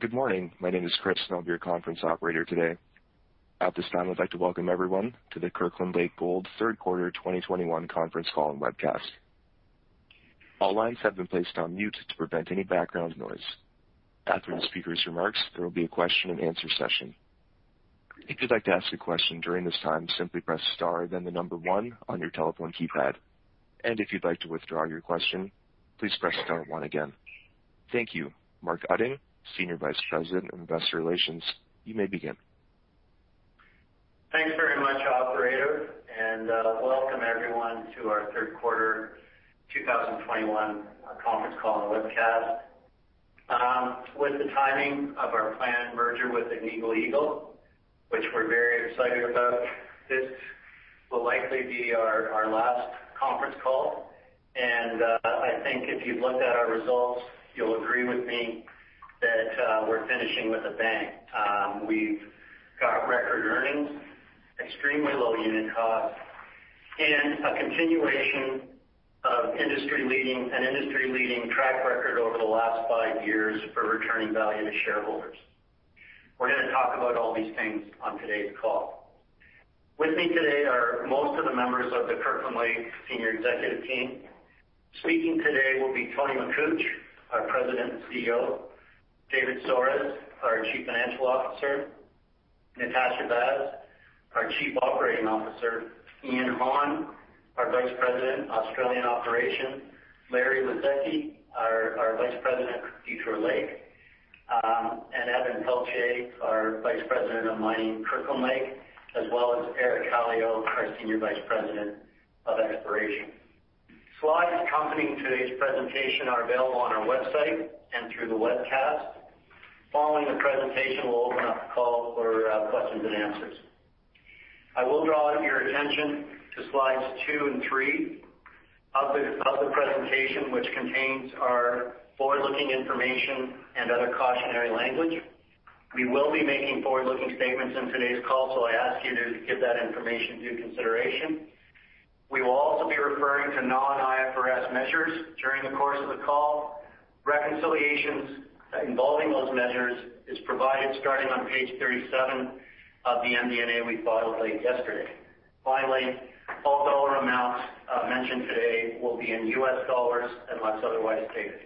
Good morning. My name is Chris Snow, your conference operator today. At this time, I'd like to welcome everyone to the Kirkland Lake Gold Third Quarter 2021 Conference Call and Webcast. All lines have been placed on mute to prevent any background noise. After the speaker's remarks, there will be a question-and-answer session. If you'd like to ask a question during this time, simply press star then the number one on your telephone keypad. If you'd like to withdraw your question, please press star one again. Thank you. Mark Utting, Senior Vice President of Investor Relations, you may begin. Thanks very much, operator, and welcome everyone to our Third Quarter 2021 Conference Call and Webcast. With the timing of our planned merger with Agnico Eagle, which we're very excited about, this will likely be our last conference call. I think if you've looked at our results, you'll agree with me that we're finishing with a bang. We've got record earnings, extremely low unit costs, and a continuation of industry-leading track record over the last 5 years for returning value to shareholders. We're gonna talk about all these things on today's call. With me today are most of the members of the Kirkland Lake senior executive team. Speaking today will be Tony Makuch, our President and CEO, David Soares, our Chief Financial Officer, Natasha Vaz, our Chief Operating Officer, Ion Hann, our Vice President, Australian Operations, Larry Lazeski, our Vice President, Detour Lake, and Evan Pelletier, our Vice President of Mining, Kirkland Lake, as well as Eric Calio, our Senior Vice President of Exploration. Slides accompanying today's presentation are available on our website and through the webcast. Following the presentation, we'll open up the call for questions and answers. I will draw your attention to slides two and three of the presentation, which contains our forward-looking information and other cautionary language. We will be making forward-looking statements in today's call, so I ask you to give that information due consideration. We will also be referring to non-IFRS measures during the course of the call. Reconciliations involving those measures is provided starting on page 37 of the MD&A we filed late yesterday. Finally, all dollar amounts mentioned today will be in US dollars unless otherwise stated.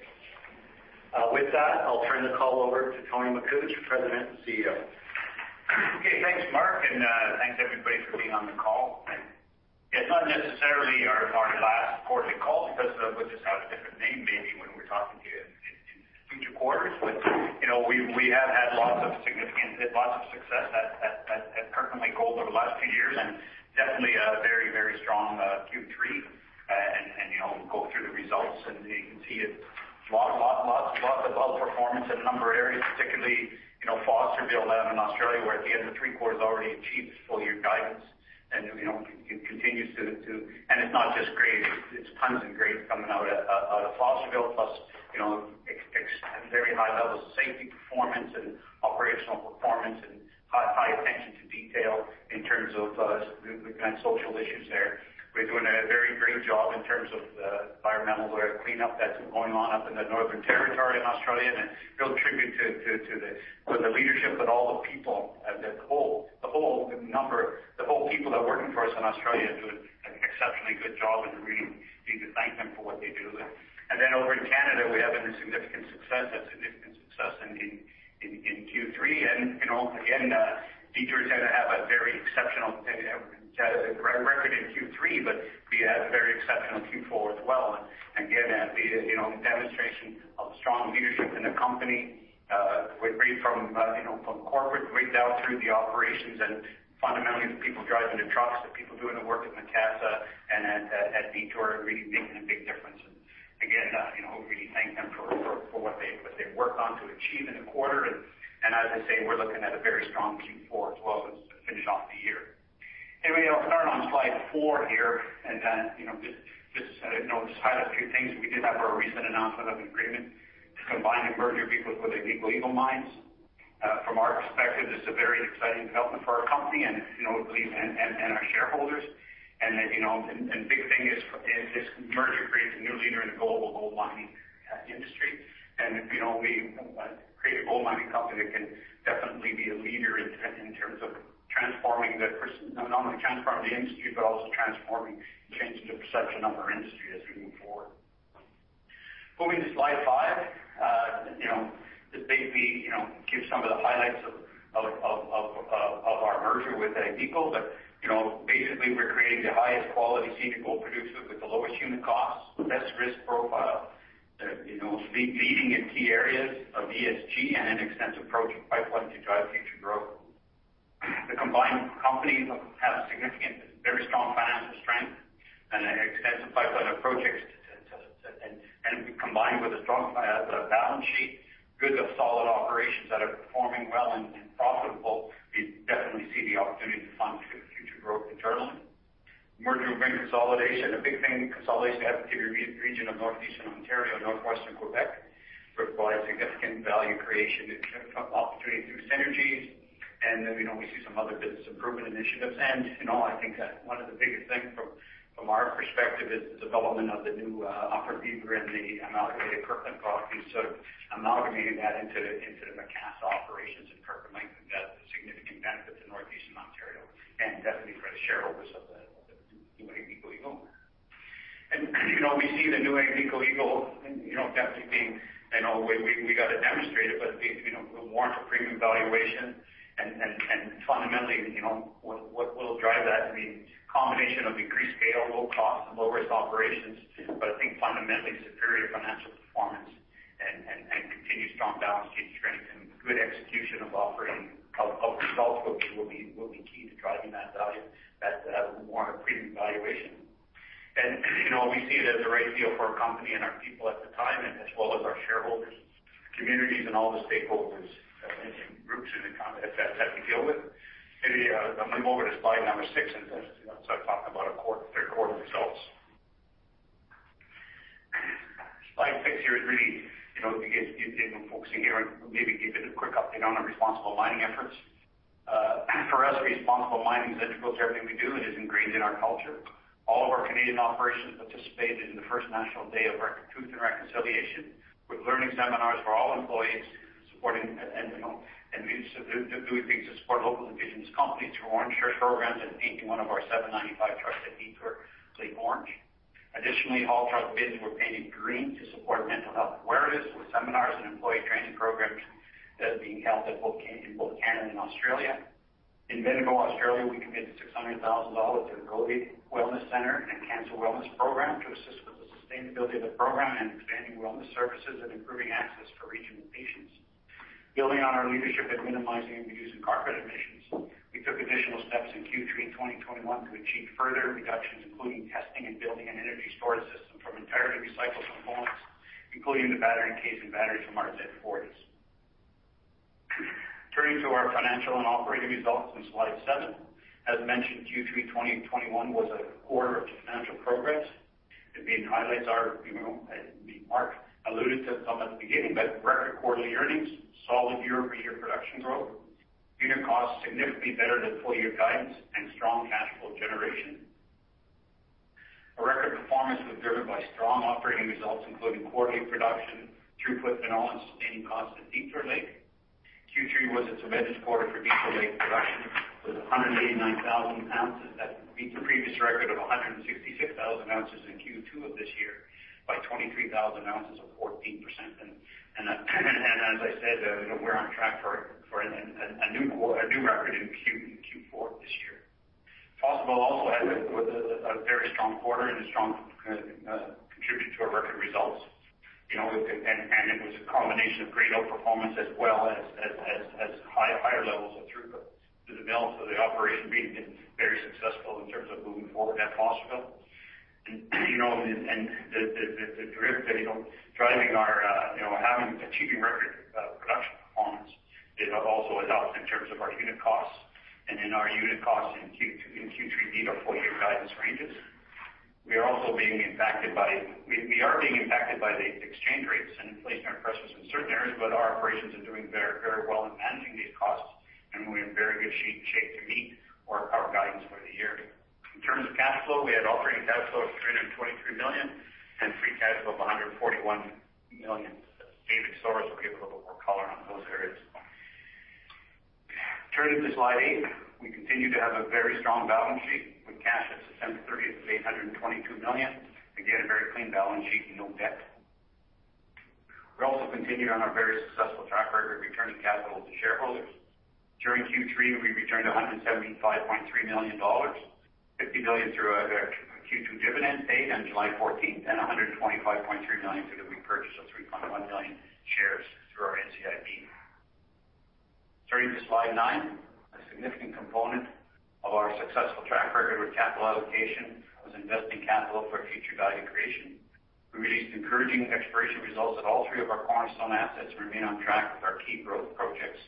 With that, I'll turn the call over to Tony Makuch, President and CEO. Okay, thanks, Mark, and thanks everybody for being on the call. It's not necessarily our last quarterly call because we'll just have a different name maybe when we're talking to you in future quarters. We have had lots of success at Kirkland Lake Gold over the last few years, and definitely a very strong Q3. Go through the results, and you can see lots of outperformance in a number of areas, particularly Fosterville down in Australia, where at the end of the three-quarters already achieved full-year guidance. It continues to. It's not just grade, it's tons and grade coming out of Fosterville. You know, very high levels of safety performance and operational performance and high attention to detail in terms of the kind of social issues there. We're doing a very great job in terms of the environmental cleanup that's going on up in the Northern Territory in Australia. It's a real tribute to the leadership, but all the people, the whole team, the whole people that are working for us in Australia do an exceptionally good job, and we need to thank them for what they do. Then over in Canada, we're having a significant success in Q3. You know, again, Detour's going to have a very exceptional record in Q3, but we have a very exceptional Q4 as well. Again, as the demonstration of strong leadership in the company, you know, right from, you know, from corporate right down through the operations and fundamentally the people driving the trucks, the people doing the work at Macassa and at Detour are really making a big difference. Again, you know, we thank them for what they've worked on to achieve in the quarter. As I say, we're looking at a very strong Q4 as well to finish off the year. Anyway, I'll start on slide four here. Then, you know, just, you know, highlight a few things. We did have our recent announcement of agreement to combine and merge with Agnico Eagle Mines Limited. From our perspective, this is a very exciting development for our company and our shareholders. You know, the big thing is this merger creates a new leader in the global gold mining industry. You know, we create a gold mining company that can definitely be a leader in terms of not only transforming the industry, but also transforming, changing the perception of our industry as we move forward. Moving to slide five, you know, this basically, you know, gives some of the highlights of our merger with Agnico. You know, basically, we're creating the highest quality senior gold producer with the lowest unit costs, the best risk profile, you know, leading in key areas of ESG and an extensive project pipeline to drive future growth. The combined companies have significant, very strong financial strength and an extensive pipeline of projects to. Combined with a strong balance sheet, good solid operations that are performing well and profitable, we definitely see the opportunity to fund future growth internally. Merger will bring consolidation. A big thing, consolidation of the region of northeastern Ontario, northwestern Quebec, provide significant value creation opportunity through synergies. We see some other business improvement initiatives. I think that one of the biggest things from our perspective is the development of the new Upper Beaver and the Amalgamated Kirkland properties, sort of amalgamating that into the Macassa operations in Kirkland Lake. That's a significant benefit to Northeastern Ontario and definitely for the shareholders of the new Agnico Eagle. You know, we see the new Agnico Eagle, you know, definitely being. I know we got it demonstrated, but you know, we'll warrant a premium valuation. Fundamentally, you know, what will drive that, I mean, combination of increased scale, low cost and low-risk operations. I think fundamentally superior financial performance and continued strong balance sheet strength and good execution of operating results, which will be key to driving that value that will warrant a premium valuation. You know, we see it as the right deal for our company and our people at the time, and as well as our shareholders, communities, and all the stakeholders, mentioned groups and the kind that we deal with. Maybe I'll move over to slide number six and just, you know, start talking about our third quarter results. Slide six here is really, you know, again, focusing here on maybe giving a quick update on our responsible mining efforts. For us, responsible mining is integral to everything we do and is ingrained in our culture. All of our Canadian operations participated in the first National Day for Truth and Reconciliation with learning seminars for all employees supporting and doing things to support local Indigenous communities through Orange Shirt programs and painting one of our 795 trucks at Detour Lake orange. Additionally, all truck beds were painted green to support mental health awareness with seminars and employee training programs that are being held in both Canada and Australia. In Bendigo, Australia, we committed $600,000 to the Gobbé Wellness Centre and Cancer Wellness Program to assist with the sustainability of the program and expanding wellness services and improving access for regional patients. Building on our leadership in minimizing the use of carbon emissions, we took additional steps in Q3 2021 to achieve further reductions, including testing and building an energy storage system from entirely recycled components, including the battery and casing batteries from our Z40s. Turning to our financial and operating results on slide seven. As mentioned, Q3 2021 was a quarter of financial progress. I mean, highlights are, you know, I mean, Mark alluded to some at the beginning, but record quarterly earnings, solid year-over-year production growth, unit cost significantly better than full year guidance and strong cash flow generation. Our record performance was driven by strong operating results, including quarterly production, throughput, and all-in sustaining costs at Detour Lake. Q3 was its banner quarter for Detour Lake production with 189,000 ounces. That beats the previous record of 166,000 ounces in Q2 of this year by 23,000 ounces or 14%. As I said, you know, we're on track for a new record in Q4 this year. Fosterville also had a very strong quarter and a strong contribution to our record results. You know, it was a combination of great outperformance as well as higher levels of throughput through the mill. The operation is being very successful in terms of moving forward at Fosterville. You know, the direct result of achieving record production performance, it also has helped in terms of our unit costs. In our unit costs in Q2 and Q3 beat our full year guidance ranges. We are also being impacted by the exchange rates and inflationary pressures in certain areas, but our operations are doing very well in managing these costs, and we're in very good shape to meet our guidance for the year. In terms of cash flow, we had operating cash flow of $323 million and free cash flow of $141 million. David Soares will give a little bit more color on those areas. Turning to slide eight. We continue to have a very strong balance sheet with cash at September 30th of $822 million. Again, a very clean balance sheet, no debt. We also continue on our very successful track record of returning capital to shareholders. During Q3, we returned $175.3 million, $50 million through our Q2 dividend paid on July 14, and $125.3 million through the repurchase of 3.1 million shares through our NCIB. Turning to slide nine. A significant component of our successful track record with capital allocation was investing capital for future value creation. We released encouraging exploration results at all three of our cornerstone assets and remain on track with our key growth projects.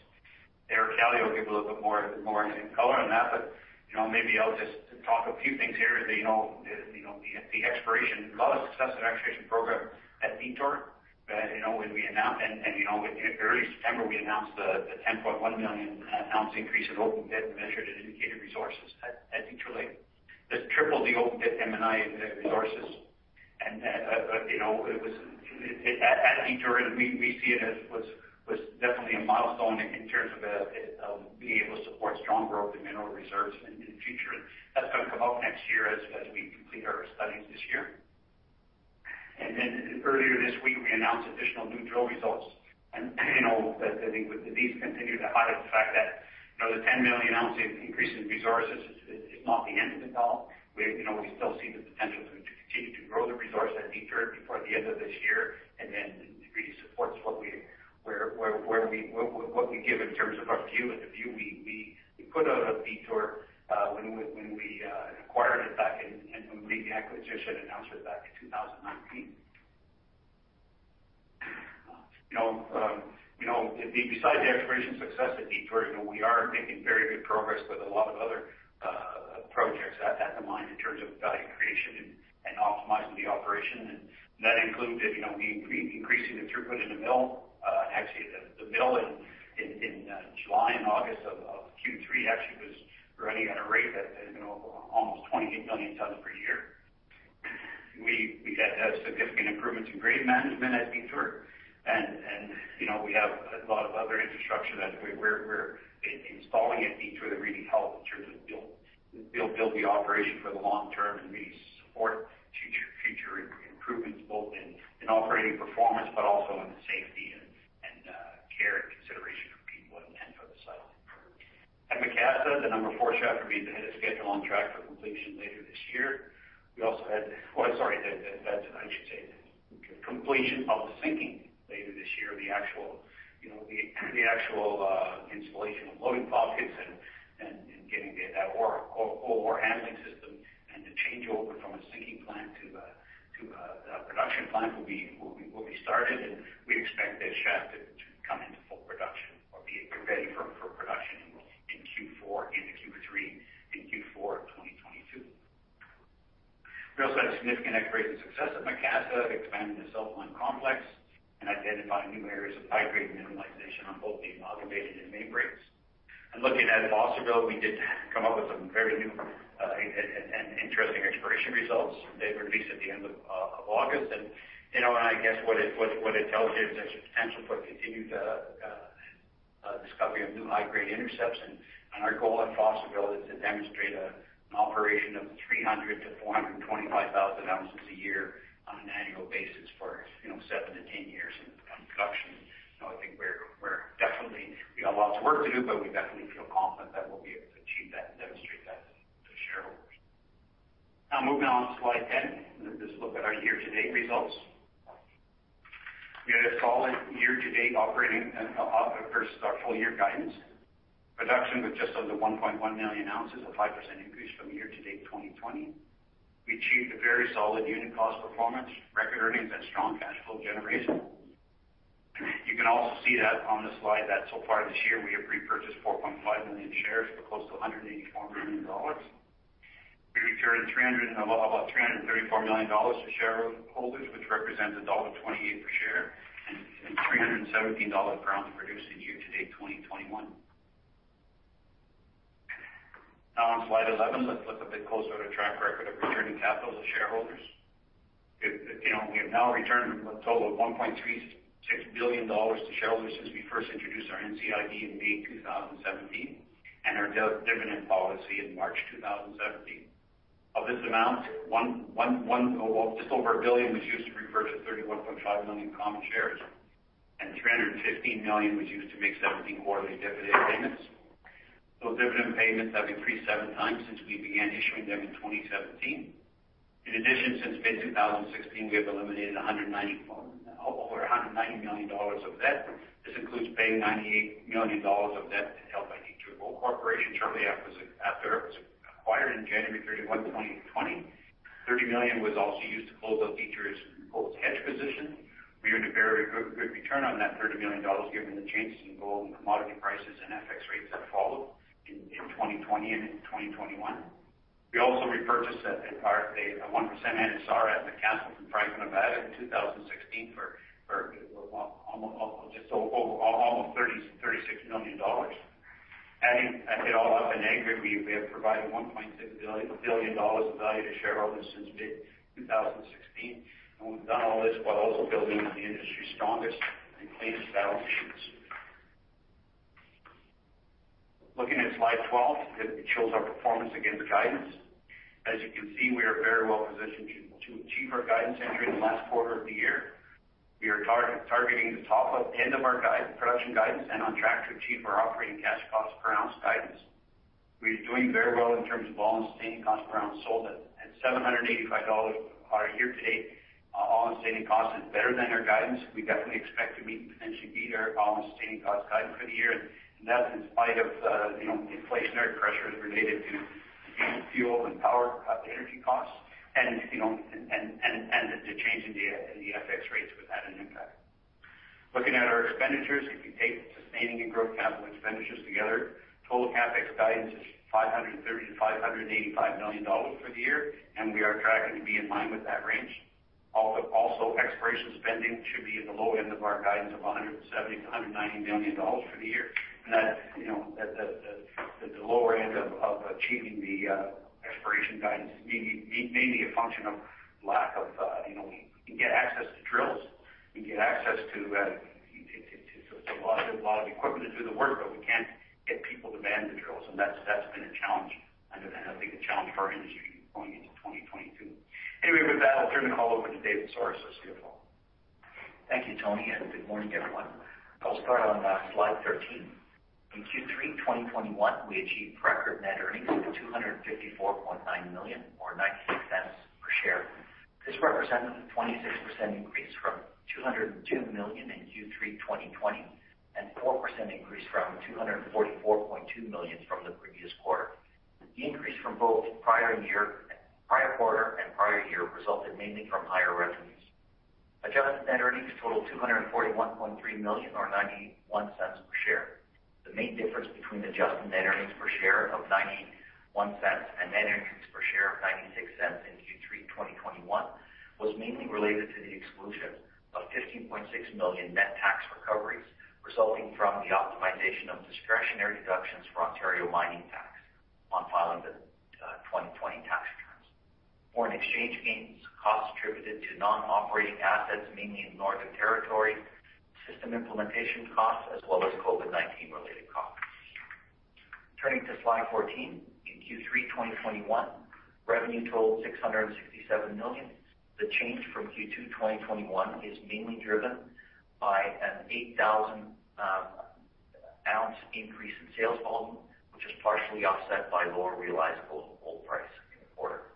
Eric Calio will give a little bit more in color on that, but you know, maybe I'll just talk a few things here. You know, the exploration, a lot of success in exploration program at Detour. You know, early September, we announced the 10.1 million ounce increase in open pit measured and indicated resources at Detour Lake. That tripled the open pit M&I resources. You know, it was at Detour, and we see it as was definitely a milestone in terms of being able to support strong growth in mineral reserves in the future. That's going to come out next year as we complete our studies this year. Earlier this week, we announced additional new drill results. You know, that, I think these continue to highlight the fact that, you know, the 10 million ounces increase in resources is not the end of the call. You know, we still see the potential to continue to grow the resource at Detour before the end of this year and then really supports what we give in terms of our view and the view we put out at Detour when we made the acquisition announcement back in 2018. You know, you know, beside the exploration success at Detour, you know, we are making very good progress with a lot of other projects I had in mind in terms of value creation and optimizing the operation. That included, you know, increasing the throughput in the mill. Actually, the mill in July and August of Q3 actually was running at a rate that, you know, almost 28 million tons per year. We had significant improvements in grade management at Detour. You know, we have a lot of other infrastructure that we're installing at Detour that really help in terms of build the operation for the long term, and really support future improvements, both in operating performance but also in safety and care and consideration for people and for the site. At Macassa, the number 4 shaft remains ahead of schedule on track for completion of the sinking later this year. The actual installation of loading pockets and getting that ore handling system and the changeover from a sinking plant to a production plant will be started, and we expect that shaft to come into full production or be ready for production in Q4, end of Q3 and Q4 of 2022. We also had significant exploration success at Macassa, expanding the south mine complex and identifying new areas of high-grade mineralization on both the Mogal and Main Break. Looking at Fosterville, we did come up with some very new and interesting exploration results that were released at the end of August. I guess what it tells you is there's potential for continued discovery of new high-grade intercepts. Our goal at Fosterville is to demonstrate an operation of 300,000 ounces-425,000 ounces a year on an annual basis for, you know, 7 years -10 years in production. You know, I think we're definitely. We got lots of work to do, but we definitely feel confident that we'll be able to achieve that and demonstrate that to shareholders. Now moving on to slide 10. This is a look at our year-to-date results. We had a solid year-to-date operating and op versus our full year guidance. Production was just under 1.1 million ounces, a 5% increase from year-to-date 2020. We achieved a very solid unit cost performance, record earnings and strong cash flow generation. You can also see that on the slide that so far this year, we have repurchased 4.5 million shares for close to $184 million. We returned about $334 million to shareholders, which represents $1.28 per share and $317 per ounce produced in year-to-date 2021. Now on slide eleven, let's look a bit closer at our track record of returning capital to shareholders. You know, we have now returned a total of $1.36 billion to shareholders since we first introduced our NCIB in May 2017 and our dividend policy in March 2017. Of this amount, well, just over $1 billion was used to repurchase 31.5 million common shares, and $315 million was used to make 17 quarterly dividend payments. Those dividend payments have increased seven times since we began issuing them in 2017. In addition, since May 2016, we have eliminated over $190 million of debt. This includes paying $98 million of debt held by Detour Gold Corporation shortly after it was acquired in January 31, 2020. $30 million was also used to close out Detour Gold's hedge position. We earned a very good return on that $30 million, given the changes in gold and commodity prices and FX rates that followed in 2020 and in 2021. We repurchased a 1% NSR at Macassa from Franco-Nevada in 2016 for almost $36 million. Adding it all up in aggregate, we have provided $1.6 billion of value to shareholders since May 2016. We've done all this while also building the industry's strongest and cleanest balance sheet. Looking at slide 12, it shows our performance against guidance. As you can see, we are very well positioned to achieve our guidance entering the last quarter of the year. We are targeting the top end of our guide, production guidance and on track to achieve our operating cash costs per ounce guidance. We are doing very well in terms of all-in sustaining costs per ounce sold at $785 year-to-date. Our all-in sustaining cost is better than our guidance. We definitely expect to meet and potentially beat our all-in sustaining cost guidance for the year. That's in spite of, you know, inflationary pressures related to increased fuel and power, energy costs and, you know, and the change in the FX rates would have an impact. Looking at our expenditures, if you take sustaining and growth capital expenditures together, total CapEx guidance is $530 million-$585 million for the year, and we are tracking to be in line with that range. Also, exploration spending should be at the low end of our guidance of $170 million-$190 million for the year. that, you know, the lower end of achieving the exploration guidance may be a function of lack of, you know, we can get access to drills. We can get access to. So it's a lot of equipment to do the work, but we can't get people to man the drills. That's been a challenge and I think a challenge for our industry going into 2022. Anyway, with that, I'll turn the call over to David Soares, our CFO. Thank you, Tony, and good morning, everyone. I'll start on slide 13. In Q3 2021, we achieved record net earnings of $254.9 million or $0.96 per share. This represents a 26% increase from $202 million in Q3 2020 and 4% increase from $244.2 million from the previous quarter. The increase from both prior year, prior quarter and prior year resulted mainly from higher revenues. Adjusted net earnings totaled $241.3 million or $0.91 per share. The main difference between adjusted net earnings per share of $0.91 and net earnings per share of $0.96 in Q3 2021 was mainly related to the exclusion of $15.6 million net tax recoveries resulting from the optimization of discretionary deductions for Ontario Mining Tax on filing the 2020 tax returns, foreign exchange gains costs attributed to non-operating assets, mainly in Northern Territory, system implementation costs as well as COVID-19 related costs. Turning to slide 14. In Q3 2021, revenue totaled $667 million. The change from Q2 2021 is mainly driven by an 8,000 ounce increase in sales volume, which is partially offset by lower realized gold price in the quarter.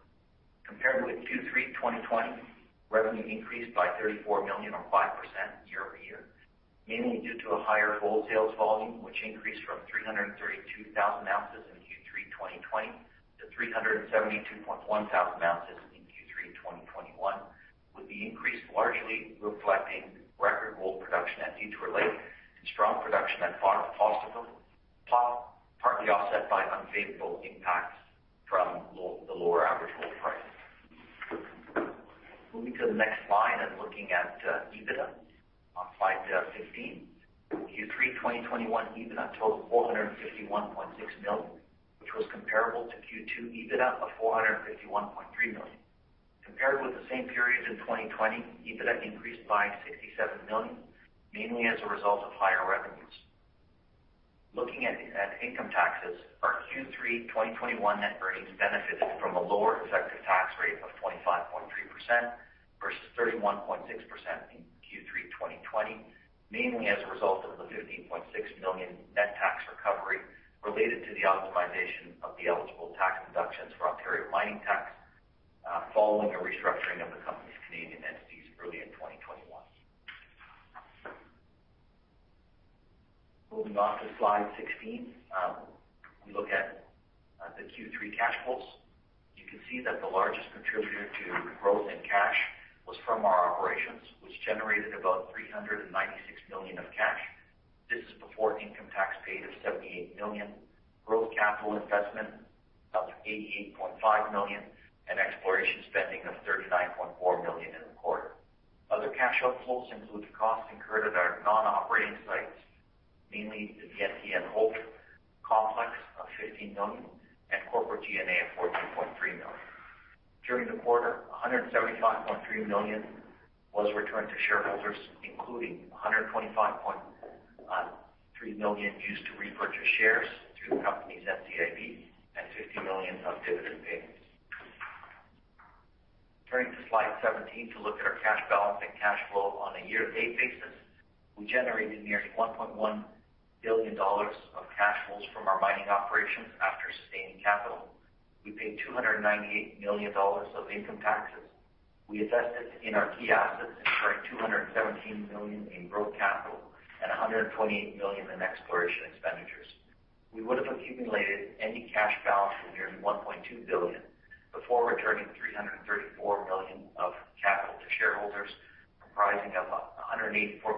Compared with Q3 2020, revenue increased by $34 million or 5% year-over-year, mainly due to a higher gold sales volume, which increased from 332,000 ounces in Q3 2020 to 372,100 ounces in Q3 2021, with the increase largely reflecting record gold production at Detour Lake and strong production at Fosterville, partly offset by unfavorable impacts from the lower average gold price. Moving to the next slide and looking at EBITDA on slide 15. Q3 2021 EBITDA totaled $451.6 million, which was comparable to Q2 EBITDA of $451.3 million. Compared with the same period in 2020, EBITDA increased by $67 million, mainly as a result of higher revenues. Looking at income taxes, our Q3 2021 net earnings benefited from a lower effective tax rate of 25.3% versus 31.6% in Q3 2020, mainly as a result of the $15.6 million net tax recovery related to the optimization of the eligible tax deductions for Ontario Mining Tax, following a restructuring of the company's Canadian entities early in 2021. Moving on to slide 16, we look at the Q3 cash flows. You can see that the largest contributor to growth in cash was from our operations, which generated about $396 million of cash. This is before income tax paid of $78 million, gross capital investment of $88.5 million, and exploration spending of $39.4 million in the quarter. Other cash outflows include the costs incurred at our non-operating sites, mainly the Cosmo hold complex of $15 million and corporate G&A of $14.3 million. During the quarter, $175.3 million was returned to shareholders, including $125.3 million used to repurchase shares through the company's NCIB and $50 million of dividend payments. Turning to slide 17 to look at our cash balance and cash flow on a year-to-date basis. We generated nearly $1.1 billion of cash flows from our mining operations after sustaining capital. We paid $298 million of income taxes. We invested in our key assets, incurring $217 million in growth capital and $128 million in exploration expenditures. We would have accumulated ending cash balance of nearly $1.2 billion before returning $334 million of capital to shareholders, comprising of $184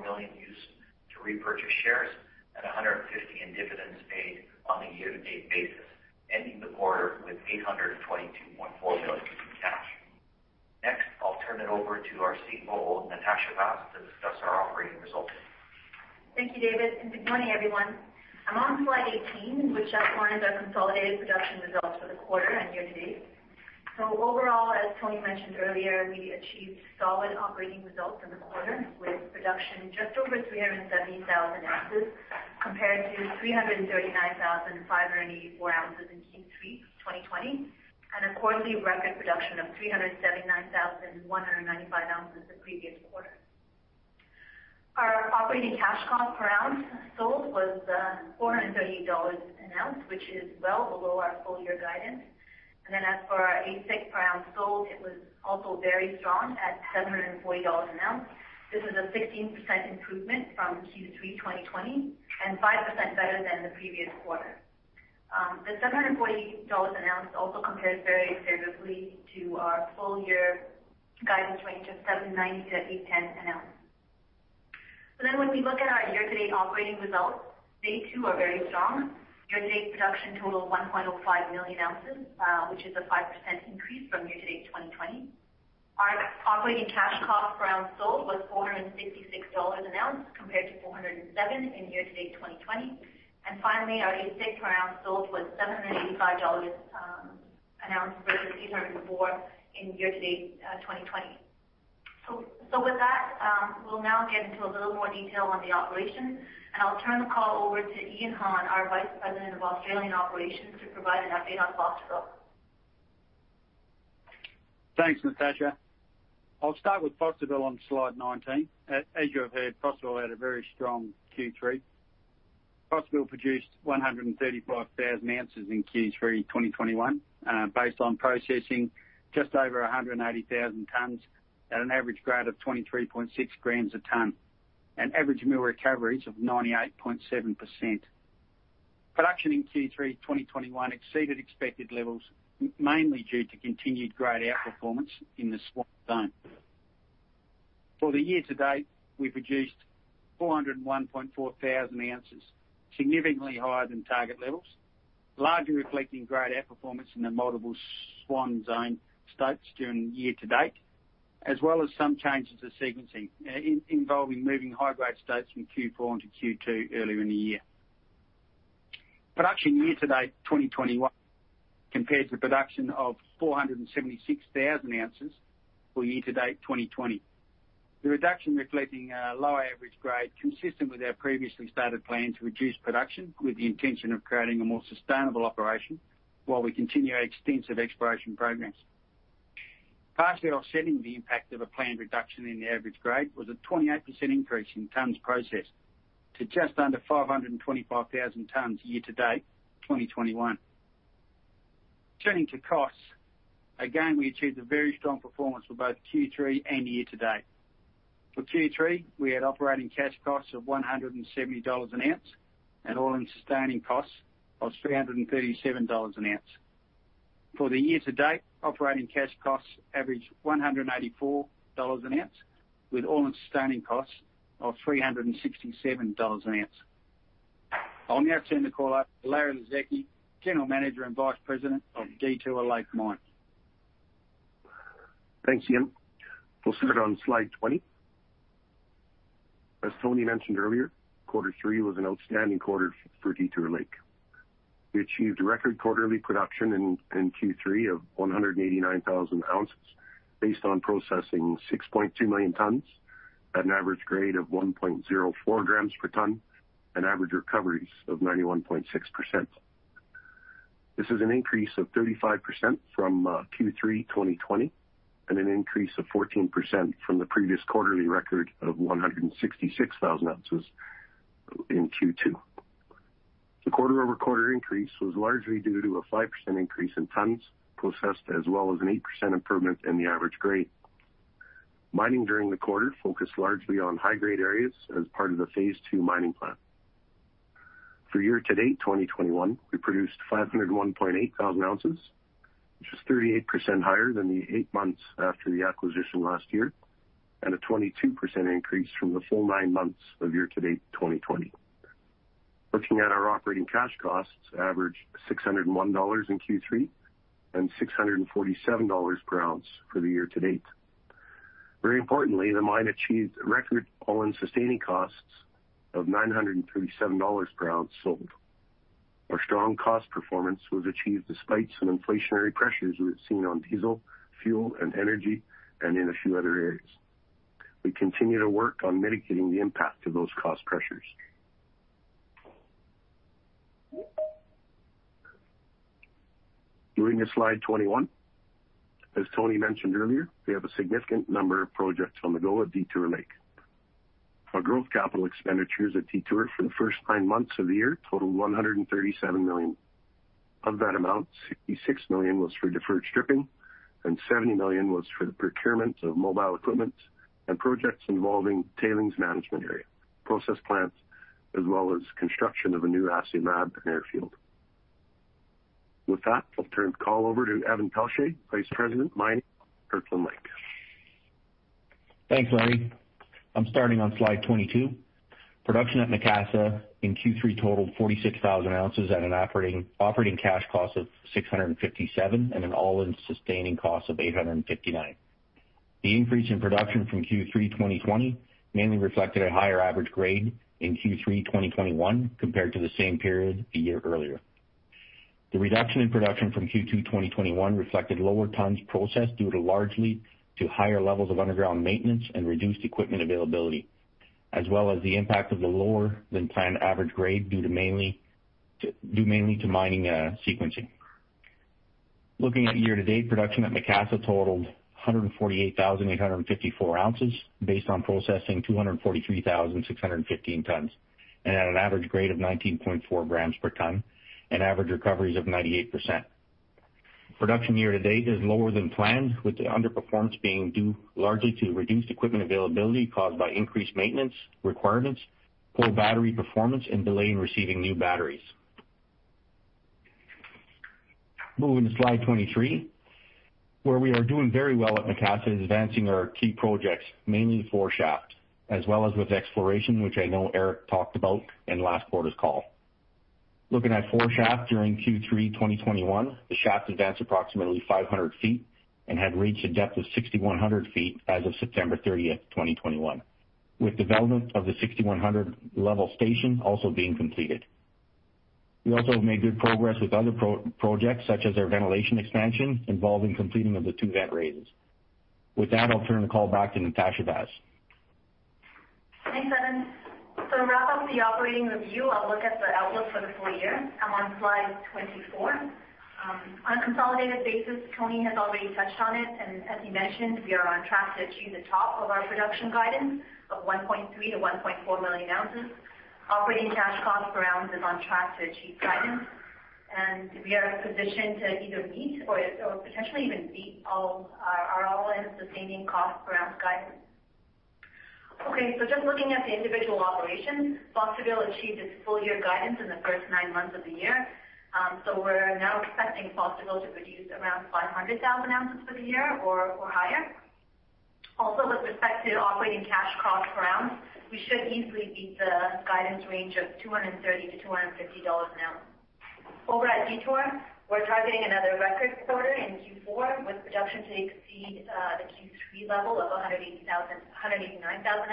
million used to repurchase shares and $150 million in dividends paid on a year-to-date basis, ending the quarter with $822.4 million in cash. Next, I'll turn it over to our COO, Natasha Vaz, to discuss our operating results. Thank you, David, and good morning, everyone. I'm on slide 18, which outlines our consolidated production results for the quarter and year to date. Overall, as Tony mentioned earlier, we achieved solid operating results in the quarter, with production just over 370,000 ounces compared to 339,584 ounces in Q3 2020, and a quarterly record production of 379,195 ounces the previous quarter. Our operating cash cost per ounce sold was $430 an ounce, which is well below our full year guidance. As for our AISC per ounce sold, it was also very strong at $740 an ounce. This is a 16% improvement from Q3 2020 and 5% better than the previous quarter. The $740 an ounce also compares very favorably to our full year guidance range of $790-$810 an ounce. When we look at our year-to-date operating results, they too are very strong. Year-to-date production totaled 1.5 million ounces, which is a 5% increase from year-to-date 2020. Our operating cash cost per ounce sold was $466 an ounce compared to $407 in year-to-date 2020. Finally, our AISC per ounce sold was $785 an ounce versus $804 in year-to-date 2020. With that, we'll now get into a little more detail on the operations, and I'll turn the call over to Ion Hann, our Vice President of Australian Operations, to provide an update on Fosterville. Thanks, Natasha. I'll start with Fosterville on slide 19. As you have heard, Fosterville had a very strong Q3. Fosterville produced 135,000 ounces in Q3 2021, based on processing just over 180,000 tons at an average grade of 23.6 grams a ton and average mill recoveries of 98.7%. Production in Q3 2021 exceeded expected levels, mainly due to continued grade outperformance in the Swan Zone. For the year to date, we produced 401,400 ounces, significantly higher than target levels, largely reflecting grade outperformance in the multiple Swan Zone stocks during year to date, as well as some changes to sequencing, involving moving high grade stocks from Q4 into Q2 earlier in the year. Production year to date 2021 compares to the production of 476,000 ounces for year to date 2020. The reduction, reflecting lower average grade consistent with our previously stated plan to reduce production with the intention of creating a more sustainable operation while we continue our extensive exploration programs. Partially offsetting the impact of a planned reduction in the average grade was a 28% increase in tons processed to just under 525,000 tons year to date, 2021. Turning to costs. We achieved a very strong performance for both Q3 and year to date. For Q3, we had operating cash costs of $170 an ounce, and all-in sustaining costs of $337 an ounce. For the year to date, operating cash costs averaged $194 an ounce, with all-in sustaining costs of $367 an ounce. I'll now turn the call over to Larry Lazeski, General Manager and Vice President of Detour Lake Mine. Thanks, Ian. We'll start on slide 20. As Tony mentioned earlier, quarter three was an outstanding quarter for Detour Lake. We achieved record quarterly production in Q3 of 189,000 ounces based on processing 6.2 million tons at an average grade of 1.04 grams per ton and average recoveries of 91.6%. This is an increase of 35% from Q3 2020, and an increase of 14% from the previous quarterly record of 166,000 ounces in Q2. The quarter-over-quarter increase was largely due to a 5% increase in tons processed, as well as an 8% improvement in the average grade. Mining during the quarter focused largely on high-grade areas as part of the phase two mining plan. For year to date 2021, we produced 501.8 thousand ounces, which was 38% higher than the eight months after the acquisition last year, and a 22% increase from the full nine months of year to date 2020. Looking at our operating cash costs, average $601 in Q3 and $647 per ounce for the year to date. Very importantly, the mine achieved record all-in sustaining costs of $937 per ounce sold. Our strong cost performance was achieved despite some inflationary pressures we have seen on diesel, fuel, and energy, and in a few other areas. We continue to work on mitigating the impact of those cost pressures. Moving to slide 21. As Tony mentioned earlier, we have a significant number of projects on the go at Detour Lake. Our growth capital expenditures at Detour for the first nine months of the year totaled $137 million. Of that amount, $66 million was for deferred stripping, and $70 million was for the procurement of mobile equipment and projects involving tailings management area, process plants, as well as construction of a new assay lab and airfield. With that, I'll turn the call over to Evan Pelletier, Vice President, Mining, Kirkland Lake. Thanks, Larry. I'm starting on slide 22. Production at Macassa in Q3 totaled 46,000 ounces at an operating cash cost of $657, and an all-in sustaining cost of $859. The increase in production from Q3 2020 mainly reflected a higher average grade in Q3 2021 compared to the same period a year earlier. The reduction in production from Q2 2021 reflected lower tons processed due largely to higher levels of underground maintenance and reduced equipment availability, as well as the impact of the lower than planned average grade due mainly to mining sequencing. Looking at year to date, production at Macassa totaled 148,854 ounces based on processing 243,615 tons and at an average grade of 19.4 grams per ton and average recoveries of 98%. Production year to date is lower than planned, with the underperformance being due largely to reduced equipment availability caused by increased maintenance requirements, poor battery performance, and delay in receiving new batteries. Moving to slide 23, where we are doing very well at Macassa is advancing our key projects, mainly #4 Shaft, as well as with exploration, which I know Eric talked about in last quarter's call. Looking at #4 Shaft during Q3 2021, the shaft advanced approximately 500 feet and had reached a depth of 6,100 feet as of September 30th, 2021, with development of the 6,100 level station also being completed. We also have made good progress with other priority projects such as our ventilation expansion involving completion of the two vent raises. With that, I'll turn the call back to Natasha Vaz. Thanks, Evan. To wrap up the operating review, I'll look at the outlook for the full year. I'm on slide 24. On consolidated basis, Tony has already touched on it, and as he mentioned, we are on track to achieve the top of our production guidance of 1.3 million-1.4 million ounces. Operating cash cost per ounce is on track to achieve guidance, and we are positioned to either meet or potentially even beat all our all-in sustaining cost per ounce guidance. Just looking at the individual operations, Fosterville achieved its full year guidance in the first nine months of the year. We're now expecting Fosterville to produce around 500,000 ounces for the year or higher. Also, with respect to operating cash cost per ounce, we should easily beat the guidance range of $230-$250 an ounce. Over at Detour, we're targeting another record quarter in Q4 with production to exceed the Q3 level of 189,000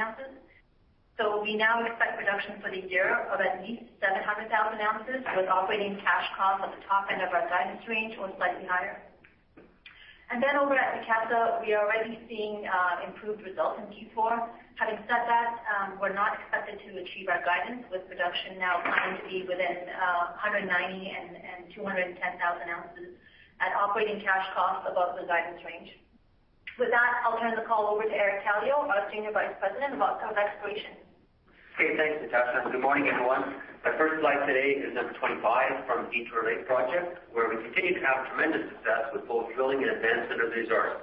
ounces. We now expect production for the year of at least 700,000 ounces with operating cash costs at the top end of our guidance range or slightly higher. Over at Macassa, we are already seeing improved results in Q4. Having said that, we're not expected to achieve our guidance with production now planned to be within 190,000-210,000 ounces at operating cash costs above the guidance range. With that, I'll turn the call over to Eric Calio, our Senior Vice President of Gold Exploration. Okay. Thanks, Natasha. Good morning, everyone. My first slide today is number 25 from Detour Lake project, where we continue to have tremendous success with both drilling and advancement of the resource,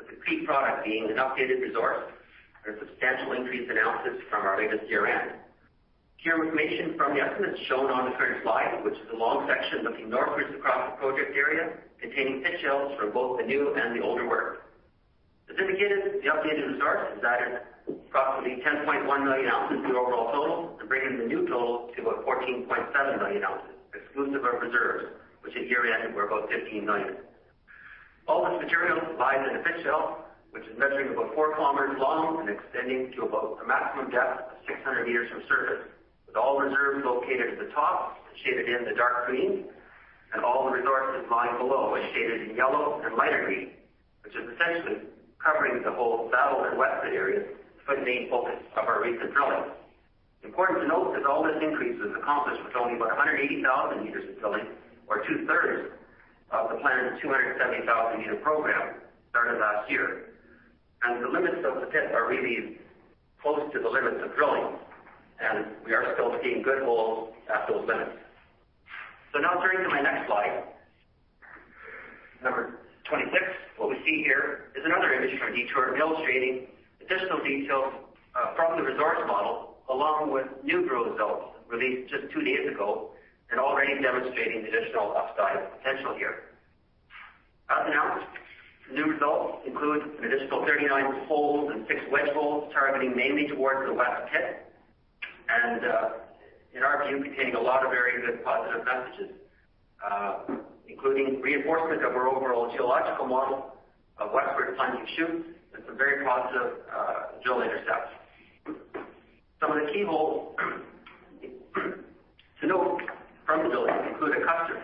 with the key product being an updated resource and a substantial increase in ounces from our latest year-end. Here, information from the estimate shown on the current slide, which is a long section looking northwest across the project area containing pit shells from both the new and the older work. As indicated, the updated resource has added approximately 10.1 million ounces to the overall total and bringing the new total to about 14.7 million ounces, exclusive of reserves, which at year end were about 15 million. All this material lies in a pit shell which is measuring about 4 km long and extending to about a maximum depth of 600 m from surface, with all reserves located at the top, shaded in the dark green, and all the resources lying below are shaded in yellow and lighter green, which is essentially covering the whole south and westward areas footing the focus of our recent drilling. Important to note that all this increase was accomplished with only about 180,000 m of drilling or two-thirds of the planned 270,000 m program started last year. The limits of the pit are really close to the limits of drilling, and we are still seeing good holes at those limits. Now turning to my next slide, number 26. What we see here is another image from Detour illustrating additional details from the resource model along with new drill results released just two days ago and already demonstrating additional upside potential here. As announced, the new results include an additional 39 holes and six wedge holes targeting mainly toward the west pit, and in our view, containing a lot of very good positive messages, including reinforcement of our overall geological model of westward plunging shoots and some very positive drill intercepts. Some of the key holes to note from the drilling include a cluster.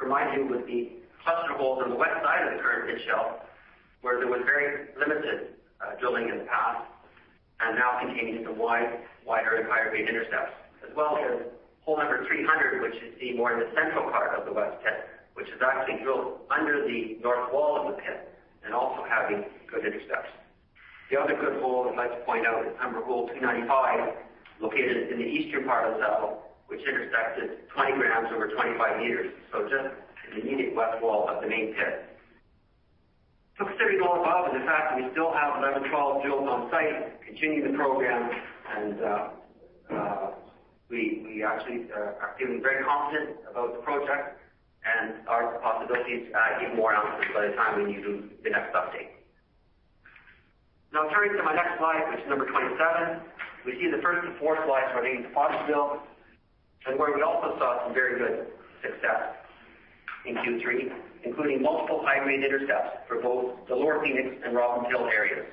Let me remind you of the cluster holes on the west side of the current pit shell, where there was very limited drilling in the past and now containing some wide high-grade intercepts. As well as hole number 300, which you see more in the central part of the west pit, which is actually drilled under the north wall of the pit and also having good intercepts. The other good hole I'd like to point out is number hole 295, located in the eastern part of the saddle, which intersected 20 grams over 25 meters. Just in the immediate west wall of the main pit. Considering all the above is the fact that we still have 11 trials drilled on site, continuing the program, and we actually are feeling very confident about the project and our possibilities to add even more ounces by the time we do the next update. Now turning to my next slide, which is number 27. We see the first of four slides relating to Fosterville and where we also saw some very good success in Q3, including multiple high-grade intercepts for both the Lower Phoenix and Robbin's Hill areas.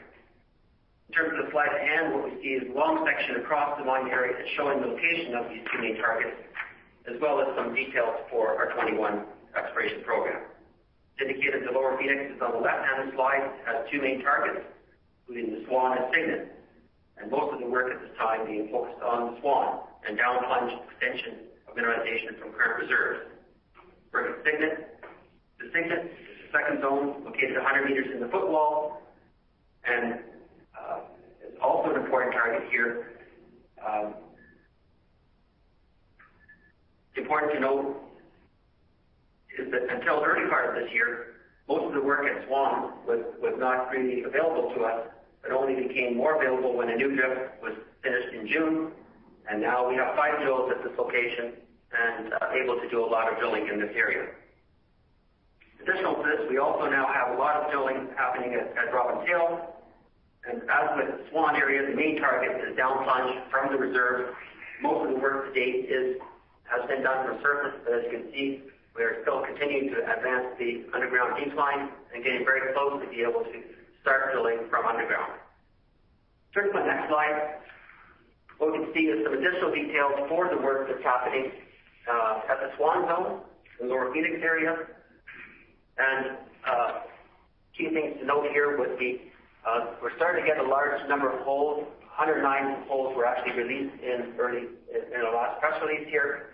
In terms of the slide at hand, what we see is a long section across the mine area showing the location of these two main targets, as well as some details for our 2021 exploration program. As indicated, the Lower Phoenix is on the left-hand of the slide. It has two main targets, including the Swan and Cygnet, and most of the work at this time being focused on the Swan and down plunge extension of mineralization from current reserves. For the Cygnet, the Cygnet is the second zone located 100 meters in the footwall and is also an important target here. Important to note is that until the early part of this year, most of the work at Swan was not freely available to us. It only became more available when a new drift was finished in June. Now we have five drills at this location and able to do a lot of drilling in this area. Additional to this, we also now have a lot of drilling happening at Robbin's Hill. As with the Swan area, the main target is a down plunge from the reserve. Most of the work to date has been done from surface, but as you can see, we are still continuing to advance the underground decline and getting very close to be able to start drilling from underground. Turning to my next slide. What we can see is some additional details for the work that's happening at the Swan Zone in Lower Phoenix area. Key things to note here would be we're starting to get a large number of holes. 109 holes were actually released in our last press release here.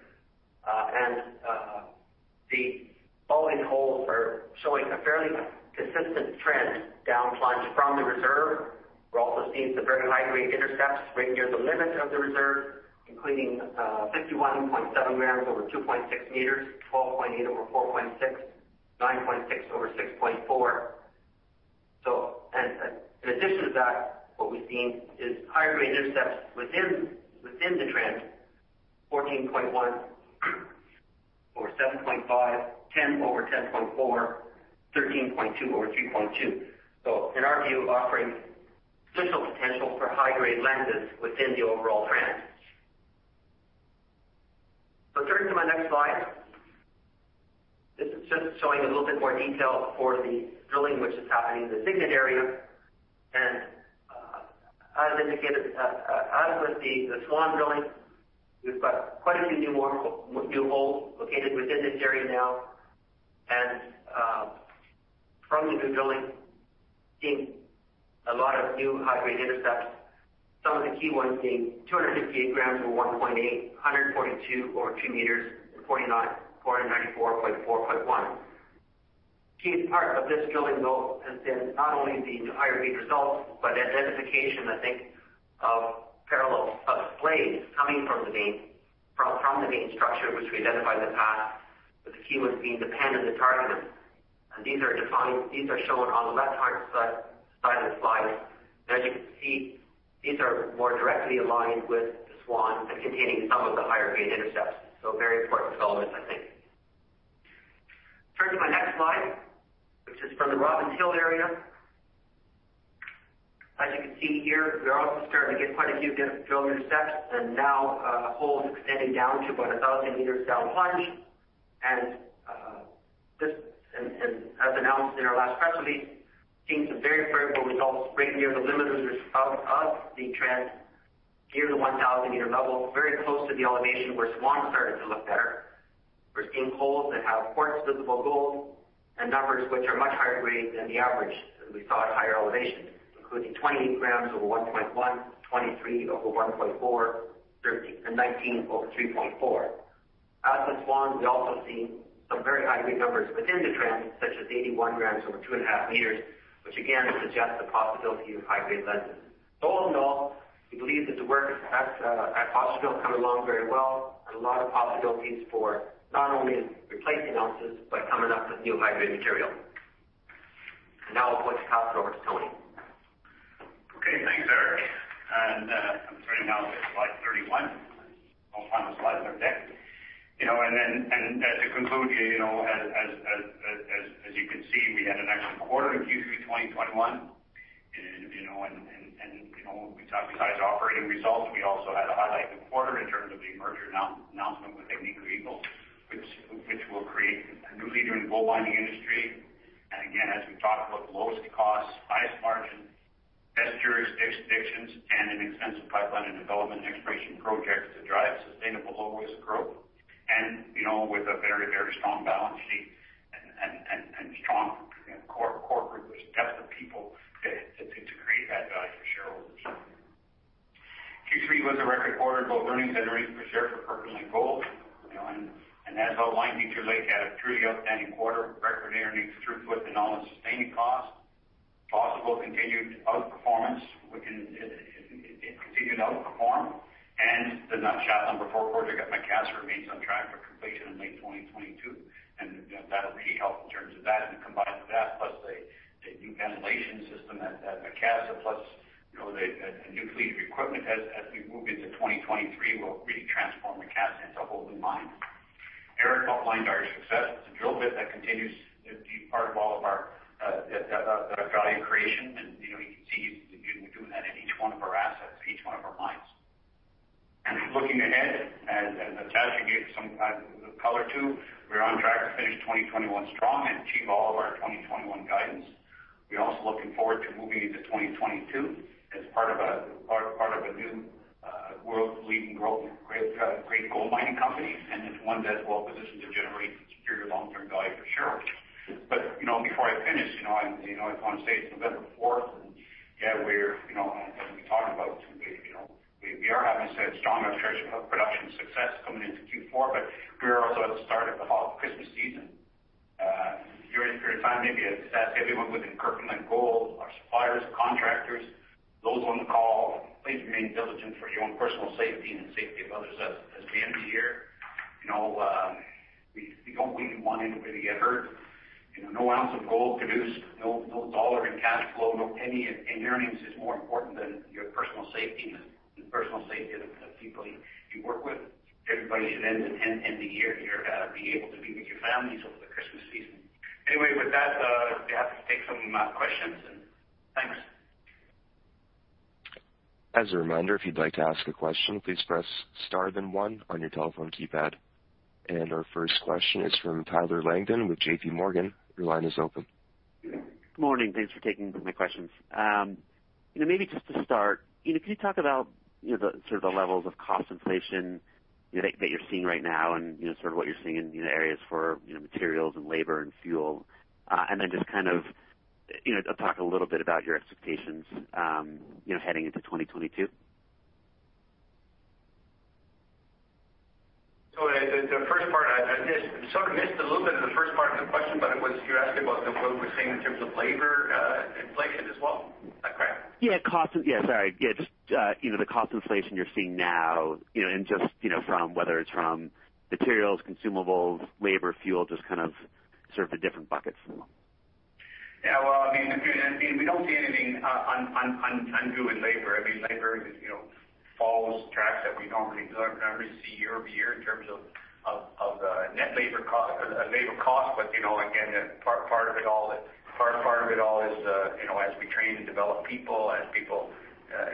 The following holes are showing a fairly consistent trend down plunge from the reserve. We're also seeing some very high-grade intercepts right near the limit of the reserve, including 51.7 grams over 2.6 meters, 12.8 over 4.6 meters. 9.6 over 6.4 meters. In addition to that, what we've seen is high-grade intercepts within the trend, 14.1 over 7.5 meters, 10 over 10.4 meters, 13.2 over 3.2 meters. In our view, offering significant potential for high-grade lenses within the overall trend. Turning to my next slide. This is just showing a little bit more detail for the drilling which is happening in the Cygnet area. As indicated, as with the Swan drilling, we've got quite a few more new holes located within this area now. From the new drilling, seeing a lot of new high-grade intercepts. Some of the key ones being 258 grams over 1.8, 142 over 2 meters, and 494 over 4.1. Key part of this drilling, though, has been not only the higher-grade results, but identification, I think, of parallel, of splays coming from the main, from the main structure which we identified in the past, with the key ones being the Pen and the Target In. These are defined, these are shown on the left-hand side of the slide. As you can see, these are more directly aligned with the Swan and containing some of the higher-grade intercepts. Very important development, I think. Turn to my next slide, which is from the Robbin's Hill area. As you can see here, we are also starting to get quite a few drill intercepts, and now, holes extending down to about 1,000 meters down plunge. As announced in our last press release, we're seeing some very favorable results right near the limit of the trend near the 1,000-meter level, very close to the elevation where Swan started to look better. We're seeing holes that have quartz visible gold and numbers which are much higher grade than the average that we saw at higher elevations, including 28 grams over 1.1, 23 over 1.4, and 19 over 3.4. As with Swan, we also see some very high-grade numbers within the trend, such as 81 grams over 2.5 meters, which again suggests the possibility of high-grade lenses. All in all, we believe that the work at Osisko is coming along very well, and a lot of possibilities for not only replacing ounces, but coming up with new high-grade material. Now I'll put the call through over to Tony. Okay, thanks, Eric. I'm turning now to slide 31. The final slide of our deck. To conclude, you know, as you can see, we had an excellent quarter in Q3 2021. You know, besides operating results, we also had a highlight in the quarter in terms of the merger announcement with Agnico Eagle, which will create a new leader in gold mining industry. Again, as we've talked about, the lowest costs, highest margin, best jurisdictions, and an extensive pipeline in development and exploration projects to drive sustainable low-risk growth. You know, with a very strong balance sheet and strong core group of depth of people to create that value for shareholders. Q3 was a record quarter in gold earnings and earnings per share for Kirkland Lake Gold. You know, as outlined, Detour Lake had a truly outstanding quarter, record earnings, throughput, and all-in sustaining costs. Osisko continued outperformance. It continued to outperform. In a nutshell, the Fort Knox project at Macassa remains on track for completion in late 2022. You know, that'll really help in terms of that. Combined with that, plus a new ventilation system at Macassa, plus, you know, a new fleet of equipment as we move into 2023, will really transform Macassa into a whole new mine. Eric outlined our success with the drill bit that continues to be part of all of our value creation. You know, you can see we're doing that in each one of our assets, each one of our mines. Looking ahead, as Natasha gave some kind of color to, we're on track to finish 2021 strong and achieve all of our 2021 guidance. We're also looking forward to moving into 2022 as part of a new world's leading great gold mining company, and it's one that's well positioned to generate superior long-term value for shareholders. You know, before I finish, you know, I just want to say it's November fourth, and we're, you know, as we talked about, you know, we are having some strong production success coming into Q4, but we are also at the start of the holiday Christmas season. During this period of time, maybe I'd just ask everyone within Kirkland Lake Gold, our suppliers, contractors, those on the call, please remain diligent for your own personal safety and the safety of others as we end the year. You know, we don't really want anybody to get hurt. You know, no ounce of gold produced, no dollar in cash flow, no penny in earnings is more important than your personal safety and the personal safety of the people you work with. Everybody should end the year here, be able to be with your families over the Christmas season. Anyway, with that, be happy to take some questions, and thanks. As a reminder, if you'd like to ask a question, please press star then one on your telephone keypad. Our first question is from Tyler Langdon with JPMorgan. Your line is open. Morning. Thanks for taking my questions. You know, maybe just to start, you know, can you talk about, you know, the sort of levels of cost inflation, you know, that you're seeing right now and, you know, sort of what you're seeing in, you know, areas for, you know, materials and labor and fuel? And then just kind of, you know, talk a little bit about your expectations, you know, heading into 2022. The first part, I just sort of missed a little bit of the first part of the question, but it was, you asked about what we're seeing in terms of labor. Yeah, sorry. Yeah, just, you know, the cost inflation you're seeing now, you know, and just, you know, from whether it's from materials, consumables, labor, fuel, just kind of sort of the different buckets. Yeah, well, I mean, we don't see anything unusual in labor. I mean, labor you know follows tracks that we normally do kind of see year over year in terms of net labor cost, labor cost. You know, again, part of it all is you know, as we train and develop people, as people